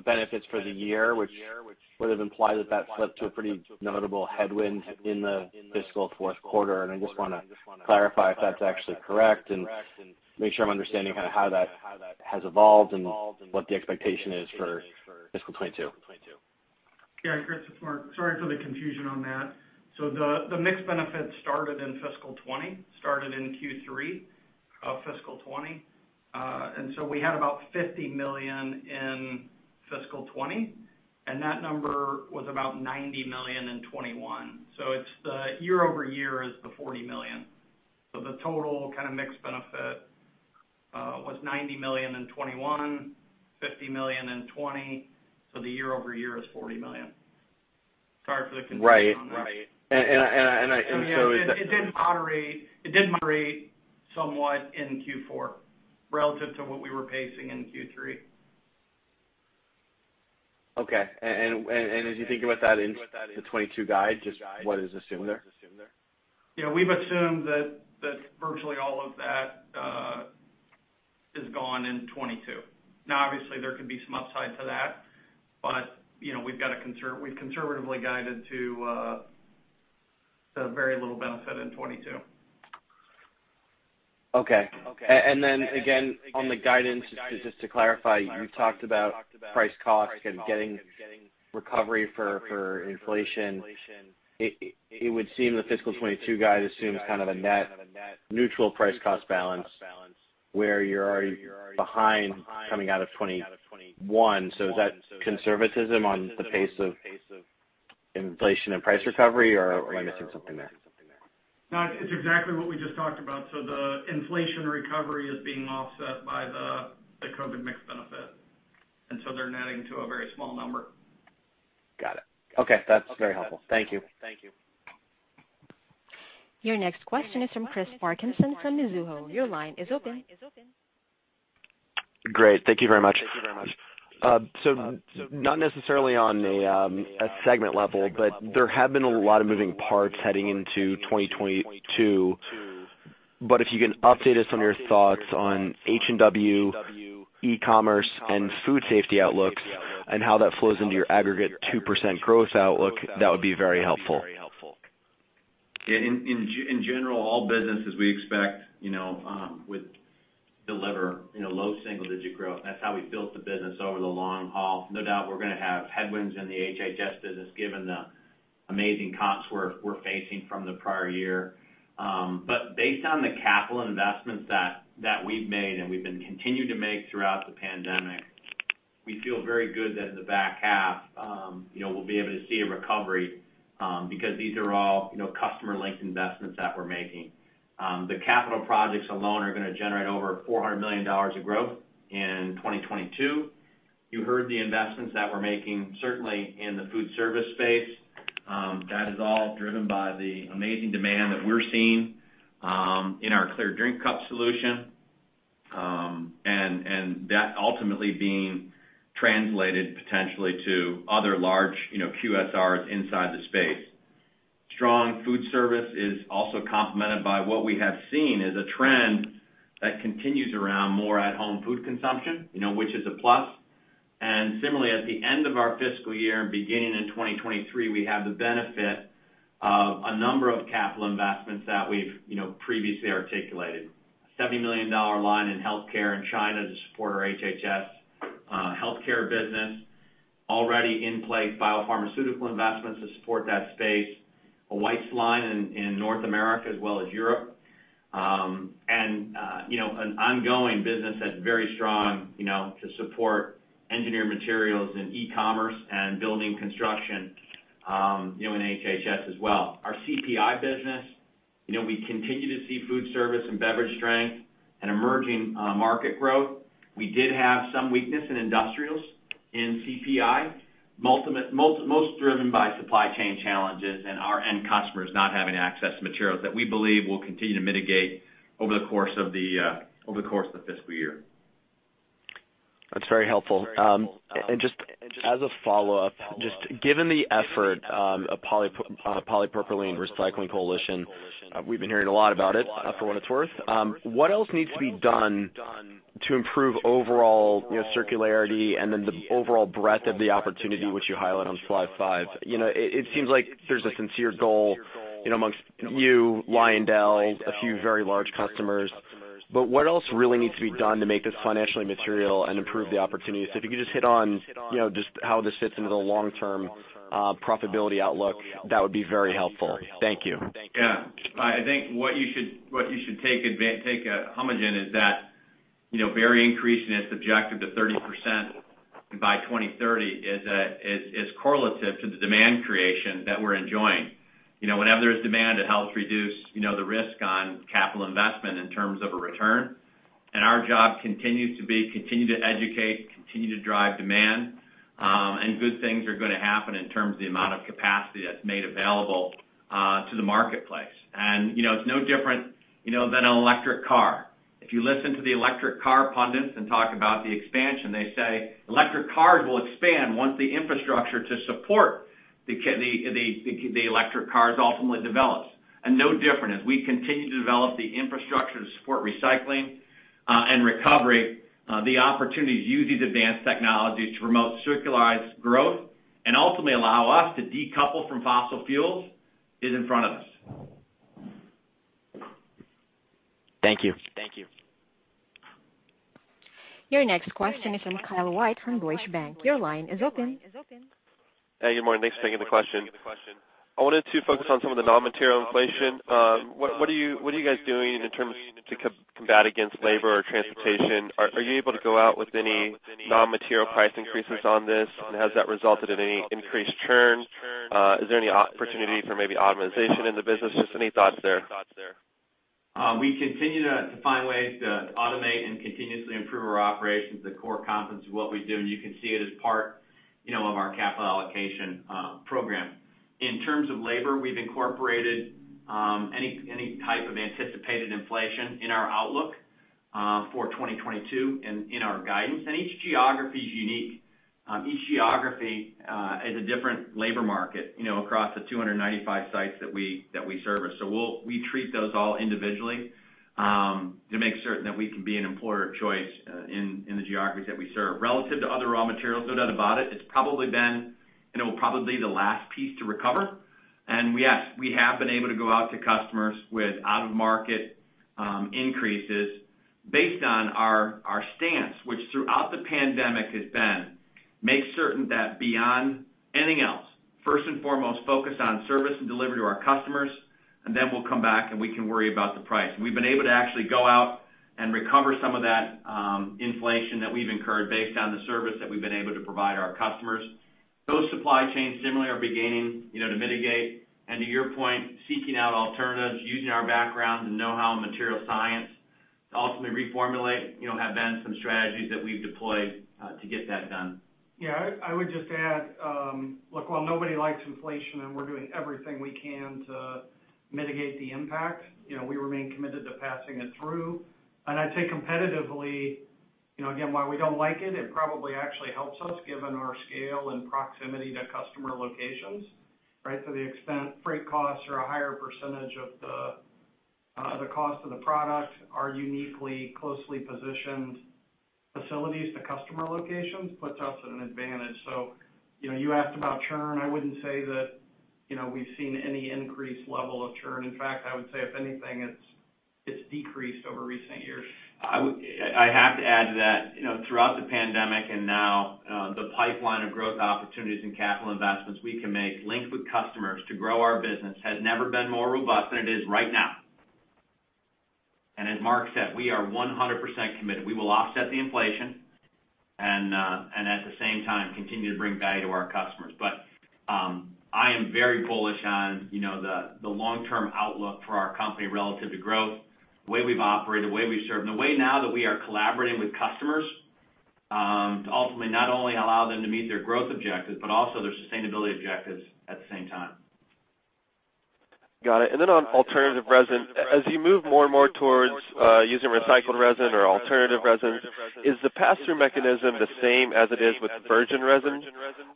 benefits for the year, which would have implied that slipped to a pretty notable headwind in the fiscal fourth quarter. I just wanna clarify if that's actually correct and make sure I'm understanding kinda how that has evolved and what the expectation is for fiscal 2022. Yeah, great. It's Mark, sorry for the confusion on that. The mix benefit started in Q3 of fiscal 2020. We had about $50 million in fiscal 2020, and that number was about $90 million in 2021. It's the year-over-year $40 million. The total kind of mix benefit was $90 million in 2021, $50 million in 2020, so the year-over-year is $40 million. Sorry for the confusion on that. Right. So is It did moderate somewhat in Q4 relative to what we were pacing in Q3. Okay. As you think about that in the 2022 guide, just what is assumed there? Yeah. We've assumed that virtually all of that is gone in 2022. Now, obviously there could be some upside to that, but, you know, we've conservatively guided to very little benefit in 2022. Okay. Then again, on the guidance, just to clarify, you talked about price costs and getting recovery for inflation. It would seem the fiscal 2022 guide assumes kind of a net neutral price cost balance where you're already behind coming out of 2021. Is that conservatism on the pace of inflation and price recovery, or am I missing something there? No, it's exactly what we just talked about. The inflation recovery is being offset by the COVID mix benefit, and so they're netting to a very small number. Got it. Okay. That's very helpful. Thank you. Your next question is from Chris Parkinson from Mizuho. Your line is open. Great. Thank you very much. Not necessarily on a segment level, but there have been a lot of moving parts heading into 2022. If you can update us on your thoughts on HH&S, e-commerce, and food safety outlooks and how that flows into your aggregate 2% growth outlook, that would be very helpful. Yeah. In general, all businesses we expect, you know, would deliver, you know, low single-digit growth. That's how we built the business over the long haul. No doubt we're gonna have headwinds in the HHS business given the amazing comps we're facing from the prior year. Based on the capital investments that we've made and we've been continuing to make throughout the pandemic, we feel very good that in the back half, you know, we'll be able to see a recovery, because these are all, you know, customer-linked investments that we're making. The capital projects alone are gonna generate over $400 million of growth in 2022. You heard the investments that we're making certainly in the food service space, that is all driven by the amazing demand that we're seeing, in our clear drink cup solution, and that ultimately being translated potentially to other large, you know, QSRs inside the space. Strong food service is also complemented by what we have seen as a trend that continues around more at-home food consumption, you know, which is a plus. Similarly, at the end of our fiscal year and beginning in 2023, we have the benefit of a number of capital investments that we've, you know, previously articulated. A $70 million line in healthcare in China to support our HHS healthcare business. Already in play, biopharmaceutical investments to support that space. A wipes line in North America as well as Europe. You know, an ongoing business that's very strong, you know, to support engineered materials in e-commerce and building construction, you know, in HHS as well. Our CPI business, you know, we continue to see food service and beverage strength and emerging market growth. We did have some weakness in industrials in CPI, most driven by supply chain challenges and our end customers not having access to materials that we believe will continue to mitigate over the course of the fiscal year. That's very helpful. Just as a follow-up, just given the effort of the Polypropylene Recycling Coalition, we've been hearing a lot about it, for what it's worth. What else needs to be done to improve overall, you know, circularity and then the overall breadth of the opportunity which you highlight on slide five? You know, it seems like there's a sincere goal, you know, amongst you, Lyondell, a few very large customers. What else really needs to be done to make this financially material and improve the opportunities? If you could just hit on, you know, just how this fits into the long-term profitability outlook, that would be very helpful. Thank you. Yeah. I think what you should take home again is that, you know, Berry increase in its objective to 30% by 2030 is correlative to the demand creation that we're enjoying. You know, whenever there's demand, it helps reduce, you know, the risk on capital investment in terms of a return. Our job continues to be to educate, to drive demand, and good things are gonna happen in terms of the amount of capacity that's made available to the marketplace. You know, it's no different, you know, than an electric car. If you listen to the electric car pundits and talk about the expansion, they say electric cars will expand once the infrastructure to support the electric cars ultimately develops. No different as we continue to develop the infrastructure to support recycling, and recovery, the opportunities to use these advanced technologies to promote circularized growth and ultimately allow us to decouple from fossil fuels is in front of us. Thank you. Your next question is from Kyle White from Deutsche Bank. Your line is open. Hey, good morning. Thanks for taking the question. I wanted to focus on some of the non-material inflation. What are you guys doing in terms to combat against labor or transportation? Are you able to go out with any non-material price increases on this? Has that resulted in any increased churn? Is there any opportunity for maybe optimization in the business? Just any thoughts there. We continue to find ways to automate and continuously improve our operations, the core competence of what we do, and you can see it as part, you know, of our capital allocation program. In terms of labor, we've incorporated any type of anticipated inflation in our outlook for 2022 in our guidance. Each geography is unique. Each geography is a different labor market, you know, across the 295 sites that we service. We treat those all individually to make certain that we can be an employer of choice in the geographies that we serve. Relative to other raw materials, no doubt about it's probably been, and it will probably be the last piece to recover. Yes, we have been able to go out to customers with out-of-market increases based on our stance, which throughout the pandemic has been, make certain that beyond anything else, first and foremost, focus on service and delivery to our customers, and then we'll come back and we can worry about the price. We've been able to actually go out and recover some of that inflation that we've incurred based on the service that we've been able to provide our customers. Those supply chains similarly are beginning to mitigate, and to your point, seeking out alternatives, using our background and know-how in material science to ultimately reformulate have been some strategies that we've deployed to get that done. Yeah, I would just add, look, while nobody likes inflation, and we're doing everything we can to mitigate the impact, you know, we remain committed to passing it through. I'd say competitively, you know, again, while we don't like it probably actually helps us given our scale and proximity to customer locations, right? To the extent freight costs are a higher percentage of the cost of the product, our uniquely closely positioned facilities to customer locations puts us at an advantage. You know, you asked about churn. I wouldn't say that, you know, we've seen any increased level of churn. In fact, I would say if anything, it's decreased over recent years. I have to add to that, you know, throughout the pandemic and now, the pipeline of growth opportunities and capital investments we can make linked with customers to grow our business has never been more robust than it is right now. As Mark said, we are 100% committed. We will offset the inflation and at the same time, continue to bring value to our customers. I am very bullish on, you know, the long-term outlook for our company relative to growth, the way we've operated, the way we serve, and the way now that we are collaborating with customers, to ultimately not only allow them to meet their growth objectives, but also their sustainability objectives at the same time. Got it. On alternative resin, as you move more and more towards using recycled resin or alternative resin, is the pass-through mechanism the same as it is with virgin resin?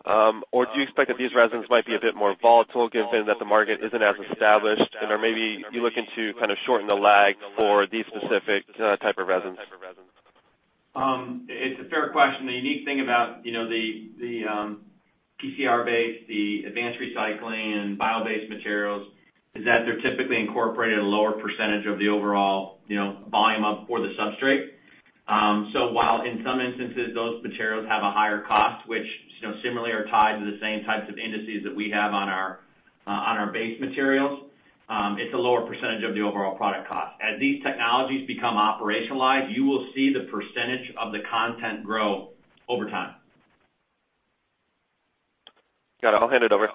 Do you expect that these resins might be a bit more volatile given that the market isn't as established? Are maybe you looking to kind of shorten the lag for these specific type of resins? It's a fair question. The unique thing about, you know, the PCR-based advanced recycling and bio-based materials is that they're typically incorporated at a lower percentage of the overall, you know, volume of or the substrate. While in some instances those materials have a higher cost, which, you know, similarly are tied to the same types of indices that we have on our base materials, it's a lower percentage of the overall product cost. As these technologies become operationalized, you will see the percentage of the content grow over time. Got it. I'll hand it over.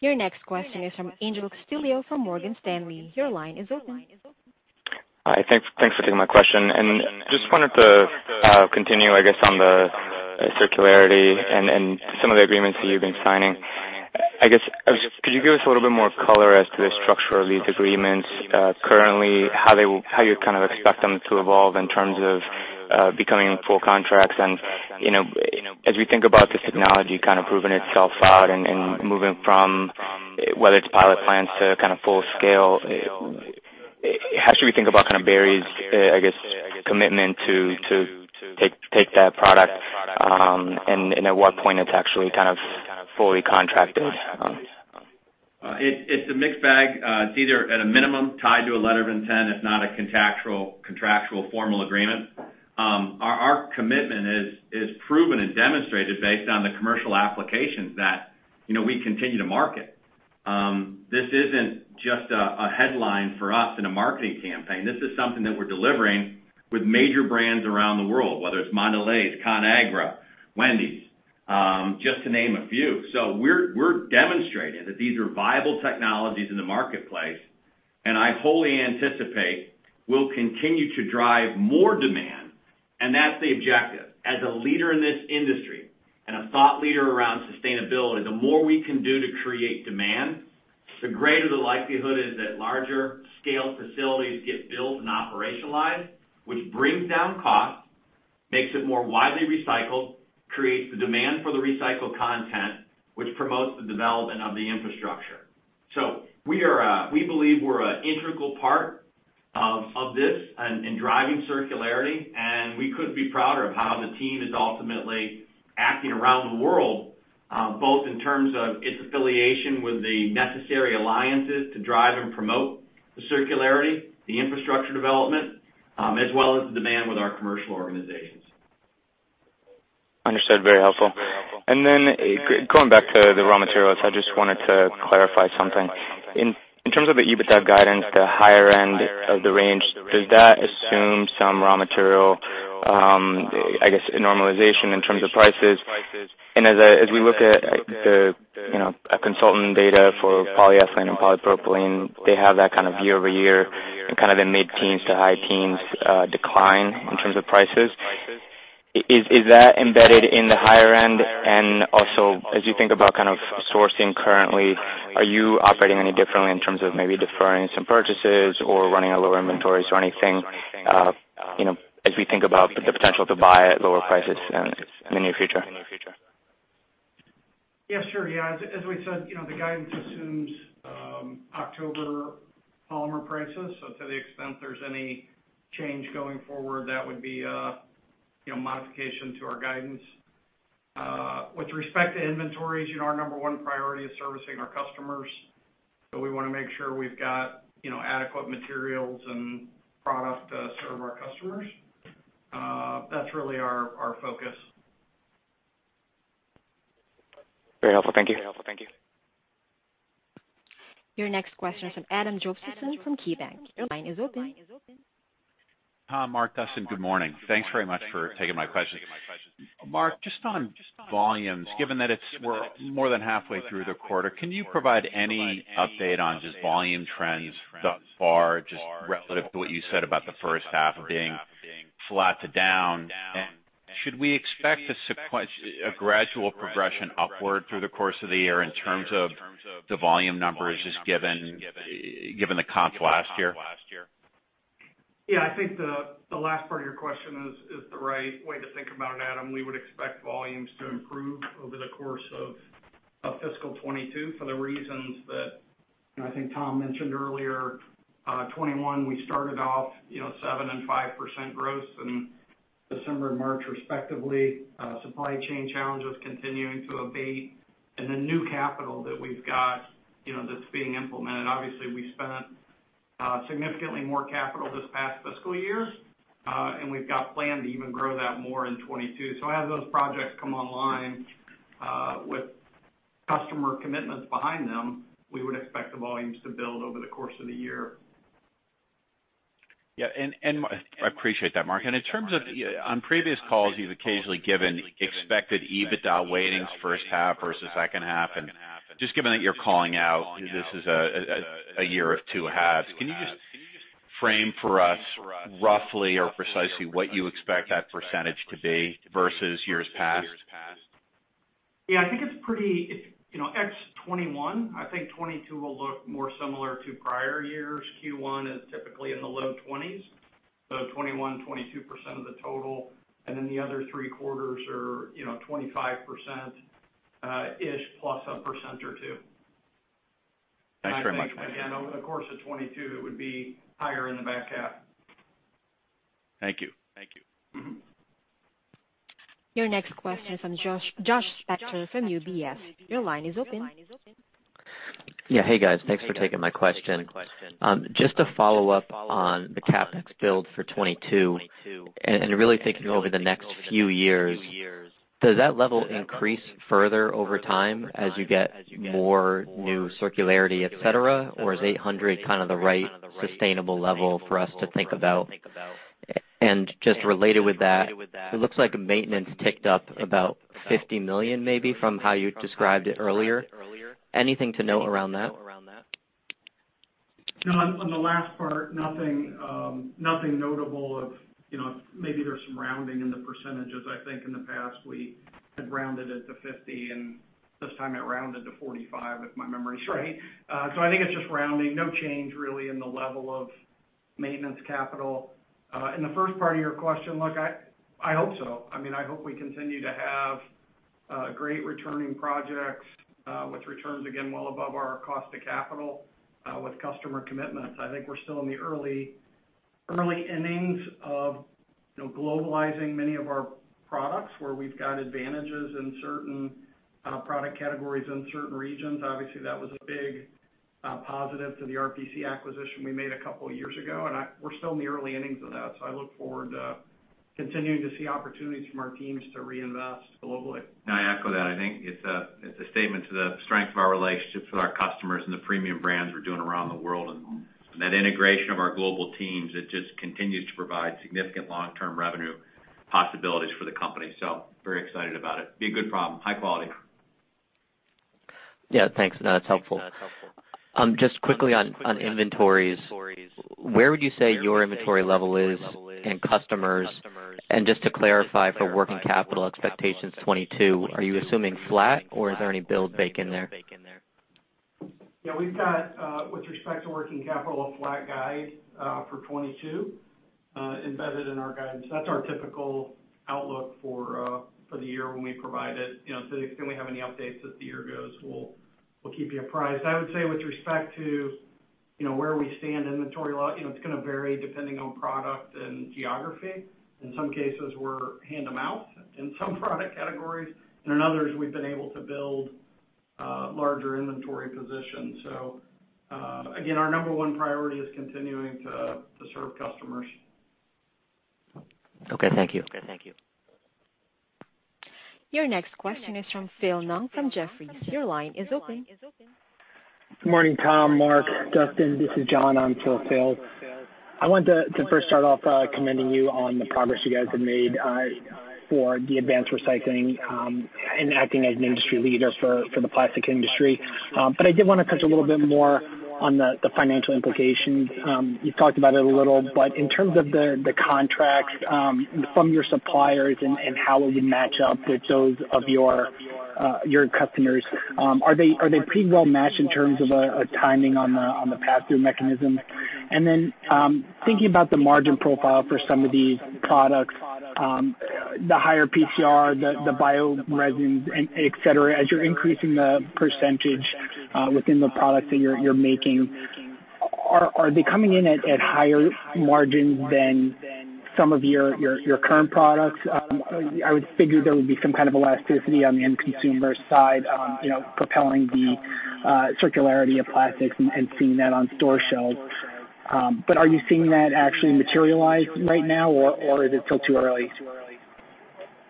Your next question is from Angel Castillo from Morgan Stanley. Your line is open. Hi. Thanks for taking my question. Just wanted to continue, I guess, on the circularity and some of the agreements that you've been signing. I guess, could you give us a little bit more color as to the structure of these agreements currently, how you kind of expect them to evolve in terms of becoming full contracts? You know, as we think about this technology kind of proving itself out and moving from whether it's pilot plants to kind of full scale, how should we think about kind of Berry's, I guess, commitment to take that product, and at what point it's actually kind of fully contracted? It's a mixed bag. It's either at a minimum tied to a letter of intent, if not a contractual formal agreement. Our commitment is proven and demonstrated based on the commercial applications that, you know, we continue to market. This isn't just a headline for us in a marketing campaign. This is something that we're delivering with major brands around the world, whether it's Mondelez, Conagra, Wendy's, just to name a few. We're demonstrating that these are viable technologies in the marketplace, and I wholly anticipate will continue to drive more demand, and that's the objective. As a leader in this industry and a thought leader around sustainability, the more we can do to create demand, the greater the likelihood is that larger scale facilities get built and operationalized, which brings down cost, makes it more widely recycled, creates the demand for the recycled content, which promotes the development of the infrastructure. We are, we believe we're an integral part of this in driving circularity, and we couldn't be prouder of how the team is ultimately acting around the world, both in terms of its affiliation with the necessary alliances to drive and promote the circularity, the infrastructure development, as well as the demand with our commercial organizations. Understood. Very helpful. Going back to the raw materials, I just wanted to clarify something. In terms of the EBITDA guidance, the higher end of the range, does that assume some raw material, I guess normalization in terms of prices? As we look at the, you know, a consultant data for polyethylene and polypropylene, they have that kind of year-over-year and kind of the mid-teens to high-teens decline in terms of prices. Is that embedded in the higher end? Also, as you think about kind of sourcing currently, are you operating any differently in terms of maybe deferring some purchases or running at lower inventories or anything, you know, as we think about the potential to buy at lower prices in the near future? Yeah, sure. Yeah. As we said, you know, the guidance assumes October polymer prices. To the extent there's any change going forward, that would be a, you know, modification to our guidance. With respect to inventories, you know, our number one priority is servicing our customers. We wanna make sure we've got, you know, adequate materials and product to serve our customers. That's really our focus. Very helpful. Thank you. Your next question is from Adam Josephson from KeyBanc. Your line is open. Tom, Mark, Dustin, good morning. Thanks very much for taking my questions. Mark, just on volumes, given that we're more than halfway through the quarter, can you provide any update on just volume trends thus far, just relative to what you said about the first half being flat to down? Should we expect a gradual progression upward through the course of the year in terms of the volume numbers just given the comps last year? Yeah, I think the last part of your question is the right way to think about it, Adam. We would expect volumes to improve over the course of fiscal 2022 for the reasons that you know I think Tom mentioned earlier. 2021, we started off you know 7% and 5% growth in December and March respectively. Supply chain challenges continuing to abate and the new capital that we've got you know that's being implemented. Obviously, we spent significantly more capital this past fiscal years and we've got planned to even grow that more in 2022. As those projects come online with customer commitments behind them, we would expect the volumes to build over the course of the year. Yeah. I appreciate that, Mark. In terms of, on previous calls, you've occasionally given expected EBITDA weightings first half versus second half. Just given that you're calling out this is a year of two halves, can you just frame for us roughly or precisely what you expect that percentage to be versus years past? Yeah, I think it's if, you know, ex 2021, I think 2022 will look more similar to prior years. Q1 is typically in the low 20s, so 21%-22% of the total, and then the other three quarters are, you know, 25% ish plus a percent or two. Thanks very much. Again, over the course of 2022, it would be higher in the back half. Thank you. Mm-hmm. Your next question is from Josh Spector from UBS. Your line is open. Yeah. Hey, guys. Thanks for taking my question. Just to follow up on the CapEx build for 2022, and really thinking over the next few years, does that level increase further over time as you get more new circularity, et cetera? Or is $800 million kind of the right sustainable level for us to think about? Just related with that, it looks like maintenance ticked up about $50 million maybe from how you described it earlier. Anything to note around that? No, on the last part, nothing notable of, you know, maybe there's some rounding in the percentages. I think in the past, we had rounded it to 50%, and this time it rounded to 45%, if my memory is right. I think it's just rounding. No change really in the level of maintenance capital. The first part of your question, look, I hope so. I mean, I hope we continue to have great returning projects with returns, again, well above our cost of capital with customer commitments. I think we're still in the early innings of, you know, globalizing many of our products, where we've got advantages in certain product categories in certain regions. Obviously, that was a big positive to the RPC acquisition we made a couple years ago, and we're still in the early innings of that. I look forward to continuing to see opportunities from our teams to reinvest globally. I echo that. I think it's a statement to the strength of our relationships with our customers and the premium brands we're doing around the world. That integration of our global teams, it just continues to provide significant long-term revenue possibilities for the company. Very excited about it. Be a good problem. High quality. Yeah. Thanks. No, that's helpful. Just quickly on inventories, where would you say your inventory level is and customers? Just to clarify, for working capital expectations 2022, are you assuming flat, or is there any build baked in there? Yeah. We've got, with respect to working capital, a flat guide for 2022 embedded in our guidance. That's our typical outlook for the year when we provide it. You know, to the extent we have any updates as the year goes, we'll keep you apprised. I would say with respect to, you know, where we stand inventory-wise, you know, it's gonna vary depending on product and geography. In some cases, we're hand-to-mouth in some product categories, and in others, we've been able to build larger inventory positions. Again, our number one priority is continuing to serve customers. Okay. Thank you. Your next question is from Phil Ng from Jefferies. Your line is open. Good morning, Tom, Mark, Dustin. This is John on for Phil. I wanted to first start off commending you on the progress you guys have made for the advanced recycling and acting as an industry leader for the plastic industry. I did wanna touch a little bit more on the financial implications. You've talked about it a little, but in terms of the contracts from your suppliers and how will you match up with those of your customers, are they pretty well matched in terms of a timing on the pass-through mechanism? Thinking about the margin profile for some of these products, the higher PCR, the bio resins and et cetera, as you're increasing the percentage within the products that you're making, are they coming in at higher margins than some of your current products? I would figure there would be some kind of elasticity on the end consumer side, you know, propelling the circularity of plastics and seeing that on store shelves. But are you seeing that actually materialize right now, or is it still too early?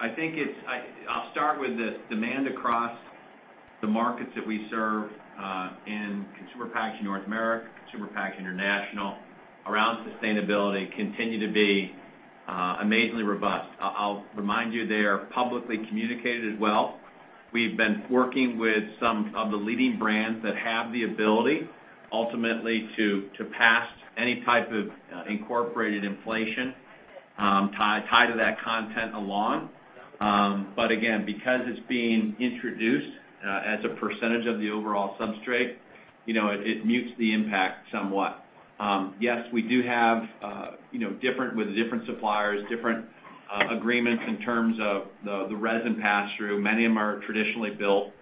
I'll start with this. Demand across the markets that we serve in Consumer Packaging North America, Consumer Packaging International around sustainability continue to be amazingly robust. I'll remind you they are publicly communicated as well. We've been working with some of the leading brands that have the ability ultimately to pass any type of incorporated inflation tied to that content along. Yes, we do have different agreements with different suppliers in terms of the resin pass-through. Many of them are traditionally built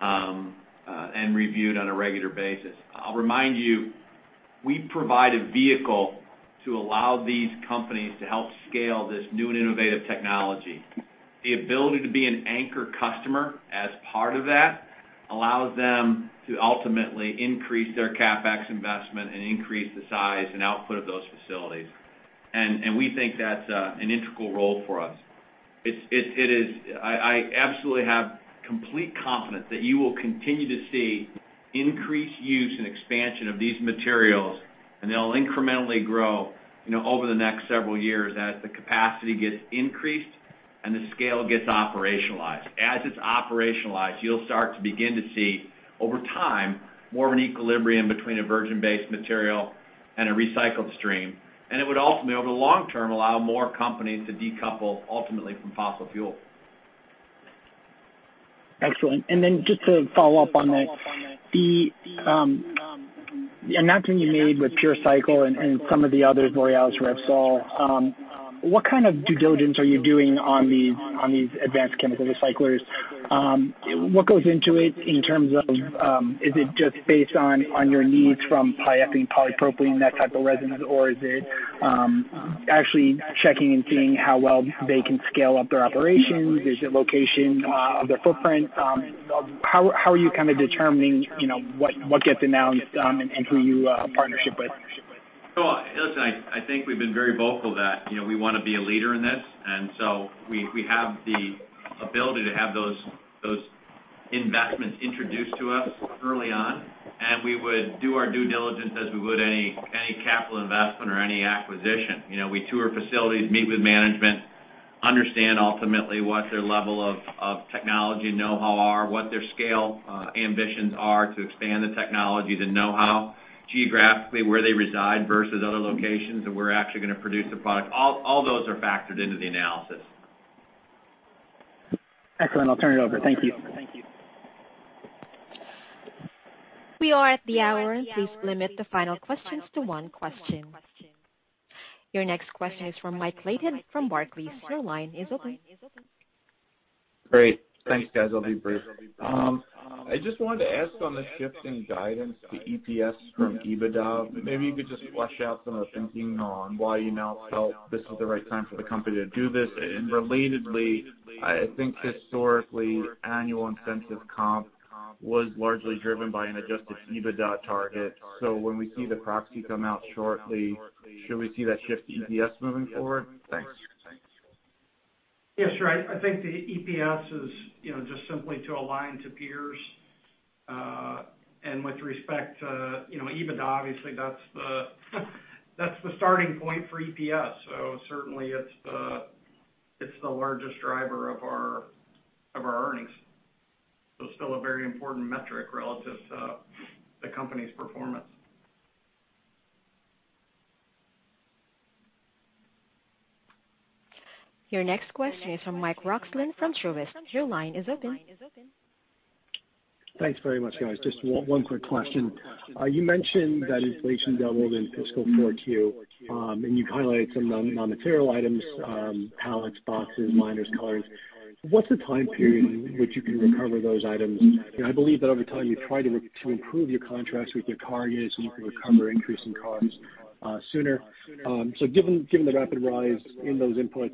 and reviewed on a regular basis. I'll remind you, we provide a vehicle to allow these companies to help scale this new and innovative technology. The ability to be an anchor customer as part of that allows them to ultimately increase their CapEx investment and increase the size and output of those facilities. We think that's an integral role for us. I absolutely have complete confidence that you will continue to see increased use and expansion of these materials, and they'll incrementally grow, you know, over the next several years as the capacity gets increased and the scale gets operationalized. As it's operationalized, you'll start to begin to see over time, more of an equilibrium between a virgin-based material and a recycled stream, and it would ultimately, over the long term, allow more companies to decouple ultimately from fossil fuel. Excellent. Then just to follow up on that, the announcement you made with PureCycle Technologies and some of the others, L'Oréal, Repsol, what kind of due diligence are you doing on these advanced chemical recyclers? What goes into it in terms of, is it just based on your needs from polyethylene, polypropylene, that type of resin? Or is it actually checking and seeing how well they can scale up their operations? Is it location of their footprint? How are you kind of determining, you know, what gets announced and who you partner with? Listen, I think we've been very vocal that, you know, we wanna be a leader in this. We have the ability to have those investments introduced to us early on, and we would do our due diligence as we would any capital investment or any acquisition. You know, we tour facilities, meet with management, understand ultimately what their level of technology know-how are, what their scale ambitions are to expand the technology, the know-how, geographically, where they reside versus other locations, and we're actually gonna produce the product. All those are factored into the analysis. Excellent. I'll turn it over. Thank you. We are at the hour. Please limit the final questions to one question. Your next question is from Mike Leithead from Barclays. Your line is open. Great. Thanks, guys. I'll be brief. I just wanted to ask on the shift in guidance to EPS from EBITDA, maybe you could just flesh out some of the thinking on why you now felt this was the right time for the company to do this. Relatedly, I think historically, annual incentive comp was largely driven by an adjusted EBITDA target. When we see the proxy come out shortly, should we see that shift to EPS moving forward? Thanks. Yes, sure. I think the EPS is, you know, just simply to align to peers. With respect to, you know, EBITDA, obviously, that's the starting point for EPS. Certainly it's the largest driver of our earnings. Still a very important metric relative to the company's performance. Your next question is from Mike Roxland from Truist. Your line is open. Thanks very much, guys. Just one quick question. You mentioned that inflation doubled in fiscal Q4, and you highlighted some non-material items, pallets, boxes, liners, colors. What's the time period in which you can recover those items? You know, I believe that over time you try to improve your contracts with your carriers, so you can recover increasing costs sooner. Given the rapid rise in those inputs,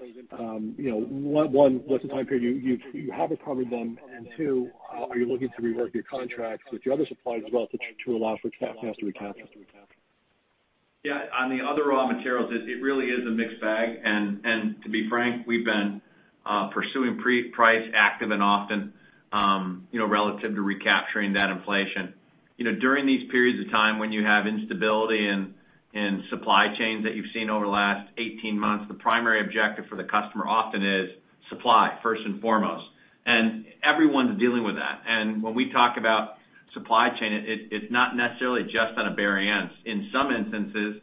you know, one, what's the time period you have recovered them, and two, are you looking to rework your contracts with your other suppliers as well to allow for CapEx to be captured? Yeah. On the other raw materials, it really is a mixed bag. To be frank, we've been pursuing proactive price actions and often, you know, relative to recapturing that inflation. You know, during these periods of time when you have instability in supply chains that you've seen over the last 18 months, the primary objective for the customer often is supply first and foremost. Everyone's dealing with that. When we talk about supply chain, it's not necessarily just on Berry's end. In some instances,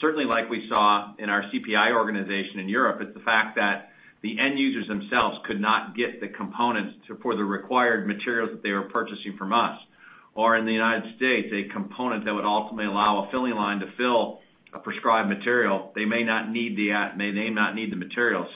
certainly like we saw in our CPI organization in Europe, it's the fact that the end users themselves could not get the components for the required materials that they were purchasing from us. In the United States, a component that would ultimately allow a filling line to fill a prescribed material, they may not need the material.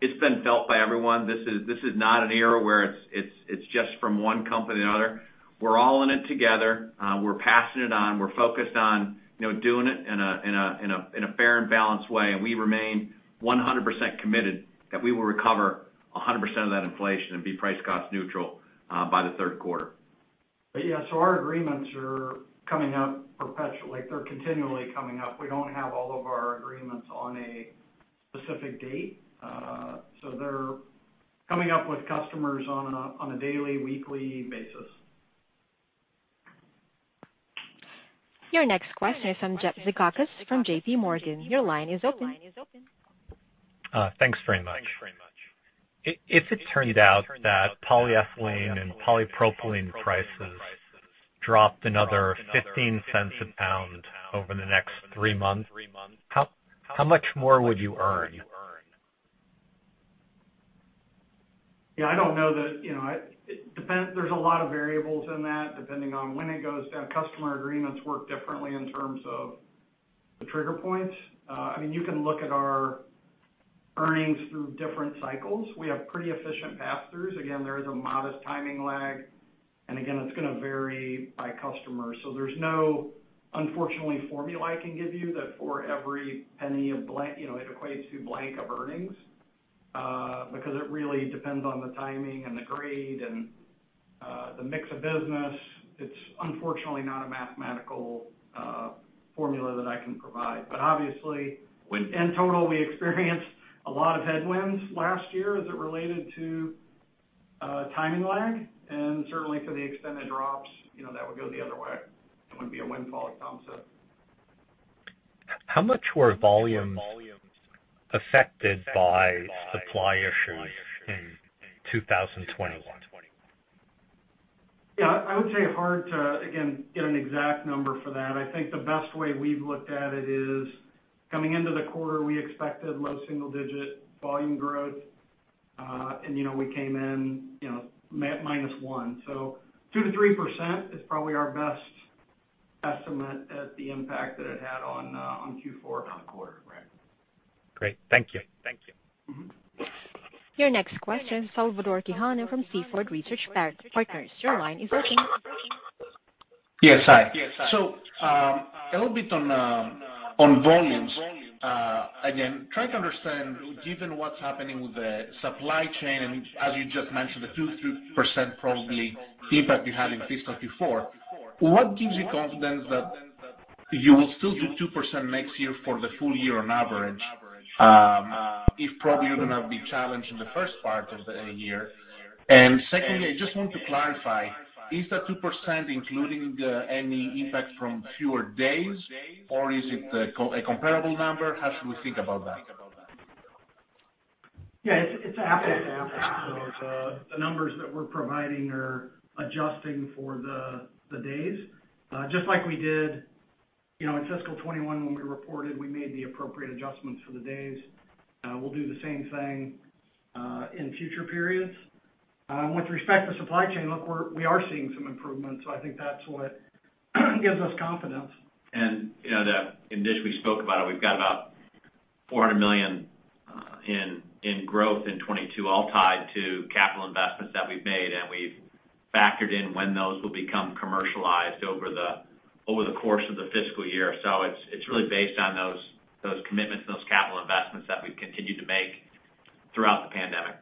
It's been felt by everyone. This is not an era where it's just from one company to another. We're all in it together. We're passing it on. We're focused on doing it in a fair and balanced way, and we remain 100% committed that we will recover 100% of that inflation and be price cost neutral by the third quarter. Yeah, our agreements are coming up perpetually. They're continually coming up. We don't have all of our agreements on a specific date, so they're coming up with customers on a daily, weekly basis. Your next question is from Jeff Zekauskas from JPMorgan, your line is open. Thanks very much. If it turned out that polyethylene and polypropylene prices dropped another $0.15 a pound over the next three months, how much more would you earn? Yeah, I don't know that, you know, it depends. There's a lot of variables in that, depending on when it goes down. Customer agreements work differently in terms of the trigger points. I mean, you can look at our earnings through different cycles. We have pretty efficient pass-throughs. Again, there is a modest timing lag. Again, it's gonna vary by customer. There's no, unfortunately, formula I can give you that for every penny of blank, you know, it equates to blank of earnings, because it really depends on the timing and the grade and, the mix of business. It's unfortunately not a mathematical, formula that I can provide. Obviously, when in total, we experienced a lot of headwinds last year as it related to, timing lag, and certainly for the extended drops, you know, that would go the other way. It would be a windfall, as Tom said. How much were volumes affected by supply issues in 2021? Yeah, I would say hard to, again, get an exact number for that. I think the best way we've looked at it is coming into the quarter, we expected low single-digit volume growth, and, you know, we came in, you know, at -1. So 2%-3% is probably our best estimate at the impact that it had on Q4. Great. Thank you. Your next question is Salvator Tiano from Seaport Research Partners. Your line is open. Yes, hi. A little bit on volumes. Again, trying to understand, given what's happening with the supply chain, and as you just mentioned, the 2%-3% probably impact you had in fiscal Q4, what gives you confidence that you will still do 2% next year for the full year on average, if probably you're gonna be challenged in the first part of the year? Secondly, I just want to clarify, is that 2% including any impact from fewer days, or is it a comparable number? How should we think about that? Yeah, it's apples to apples. The numbers that we're providing are adjusting for the days. Just like we did, you know, in fiscal 2021 when we reported, we made the appropriate adjustments for the days. We'll do the same thing in future periods. With respect to supply chain, look, we are seeing some improvements, so I think that's what gives us confidence. You know, in this, we spoke about it. We've got about $400 million in growth in 2022 all tied to capital investments that we've made, and we've factored in when those will become commercialized over the course of the fiscal year. It's really based on those commitments and those capital investments that we've continued to make throughout the pandemic.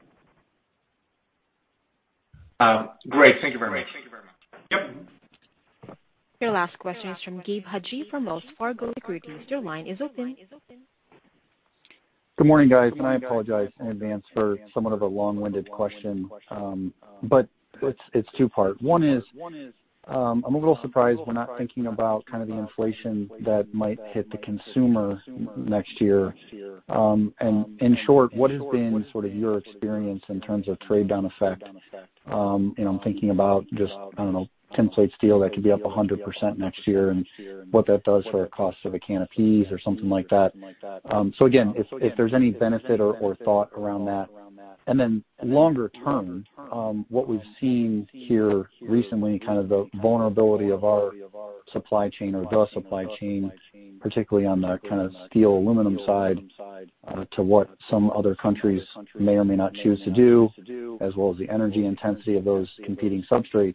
Great. Thank you very much. Yep. Your last question is from Gabe Hajde from Wells Fargo Securities. Your line is open. Good morning, guys, and I apologize in advance for somewhat of a long-winded question. It's two-part. One is, I'm a little surprised we're not thinking about kind of the inflation that might hit the consumer next year. In short, what has been sort of your experience in terms of trade down effect? You know, I'm thinking about tin plate steel that could be up 100% next year and what that does for a cost of a can of peas or something like that. Again, if there's any benefit or thought around that. Then longer term, what we've seen here recently, kind of the vulnerability of our supply chain or the supply chain, particularly on the steel, aluminum side, to what some other countries may or may not choose to do, as well as the energy intensity of those competing substrates,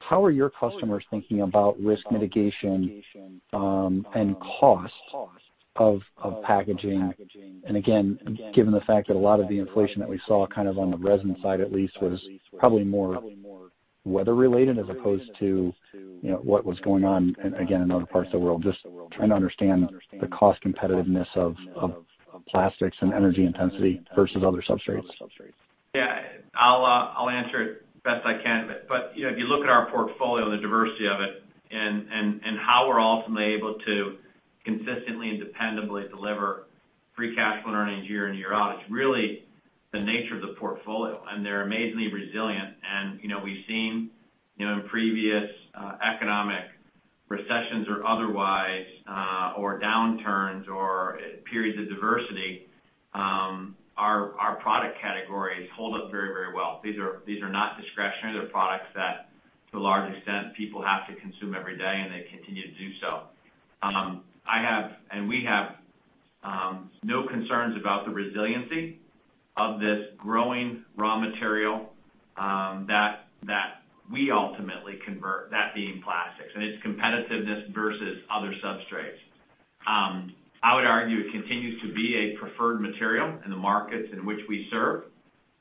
how are your customers thinking about risk mitigation, and cost of packaging? Again, given the fact that a lot of the inflation that we saw kind of on the resin side at least was probably more weather-related as opposed to, you know, what was going on, again, in other parts of the world, just trying to understand the cost competitiveness of plastics and energy intensity versus other substrates. Yeah. I'll answer it best I can. You know, if you look at our portfolio and the diversity of it and how we're ultimately able to consistently and dependably deliver free cash flow earnings year in and year out, it's really the nature of the portfolio, and they're amazingly resilient. You know, we've seen you know in previous economic recessions or otherwise or downturns or periods of adversity our product categories hold up very, very well. These are not discretionary. They're products that, to a large extent, people have to consume every day, and they continue to do so. I have, and we have no concerns about the resiliency of this core raw material that we ultimately convert, that being plastics, and its competitiveness versus other substrates. I would argue it continues to be a preferred material in the markets in which we serve.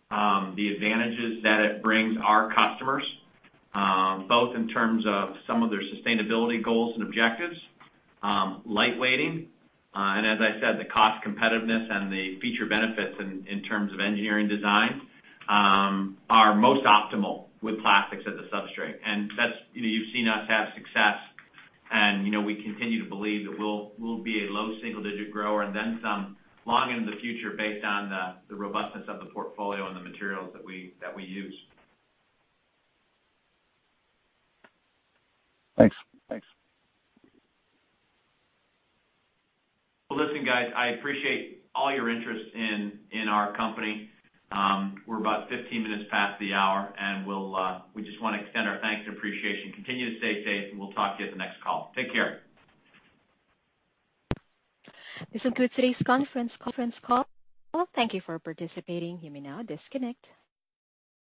The advantages that it brings our customers, both in terms of some of their sustainability goals and objectives, light weighting, and as I said, the cost competitiveness and the feature benefits in terms of engineering design, are most optimal with plastics as a substrate. That's, you know, you've seen us have success and, you know, we continue to believe that we'll be a low single digit grower and then some long into the future based on the robustness of the portfolio and the materials that we use. Thanks. Well, listen guys, I appreciate all your interest in our company. We're about 15 minutes past the hour, and we just wanna extend our thanks and appreciation. Continue to stay safe, and we'll talk to you at the next call. Take care. This concludes today's conference call. Thank you for participating. You may now disconnect.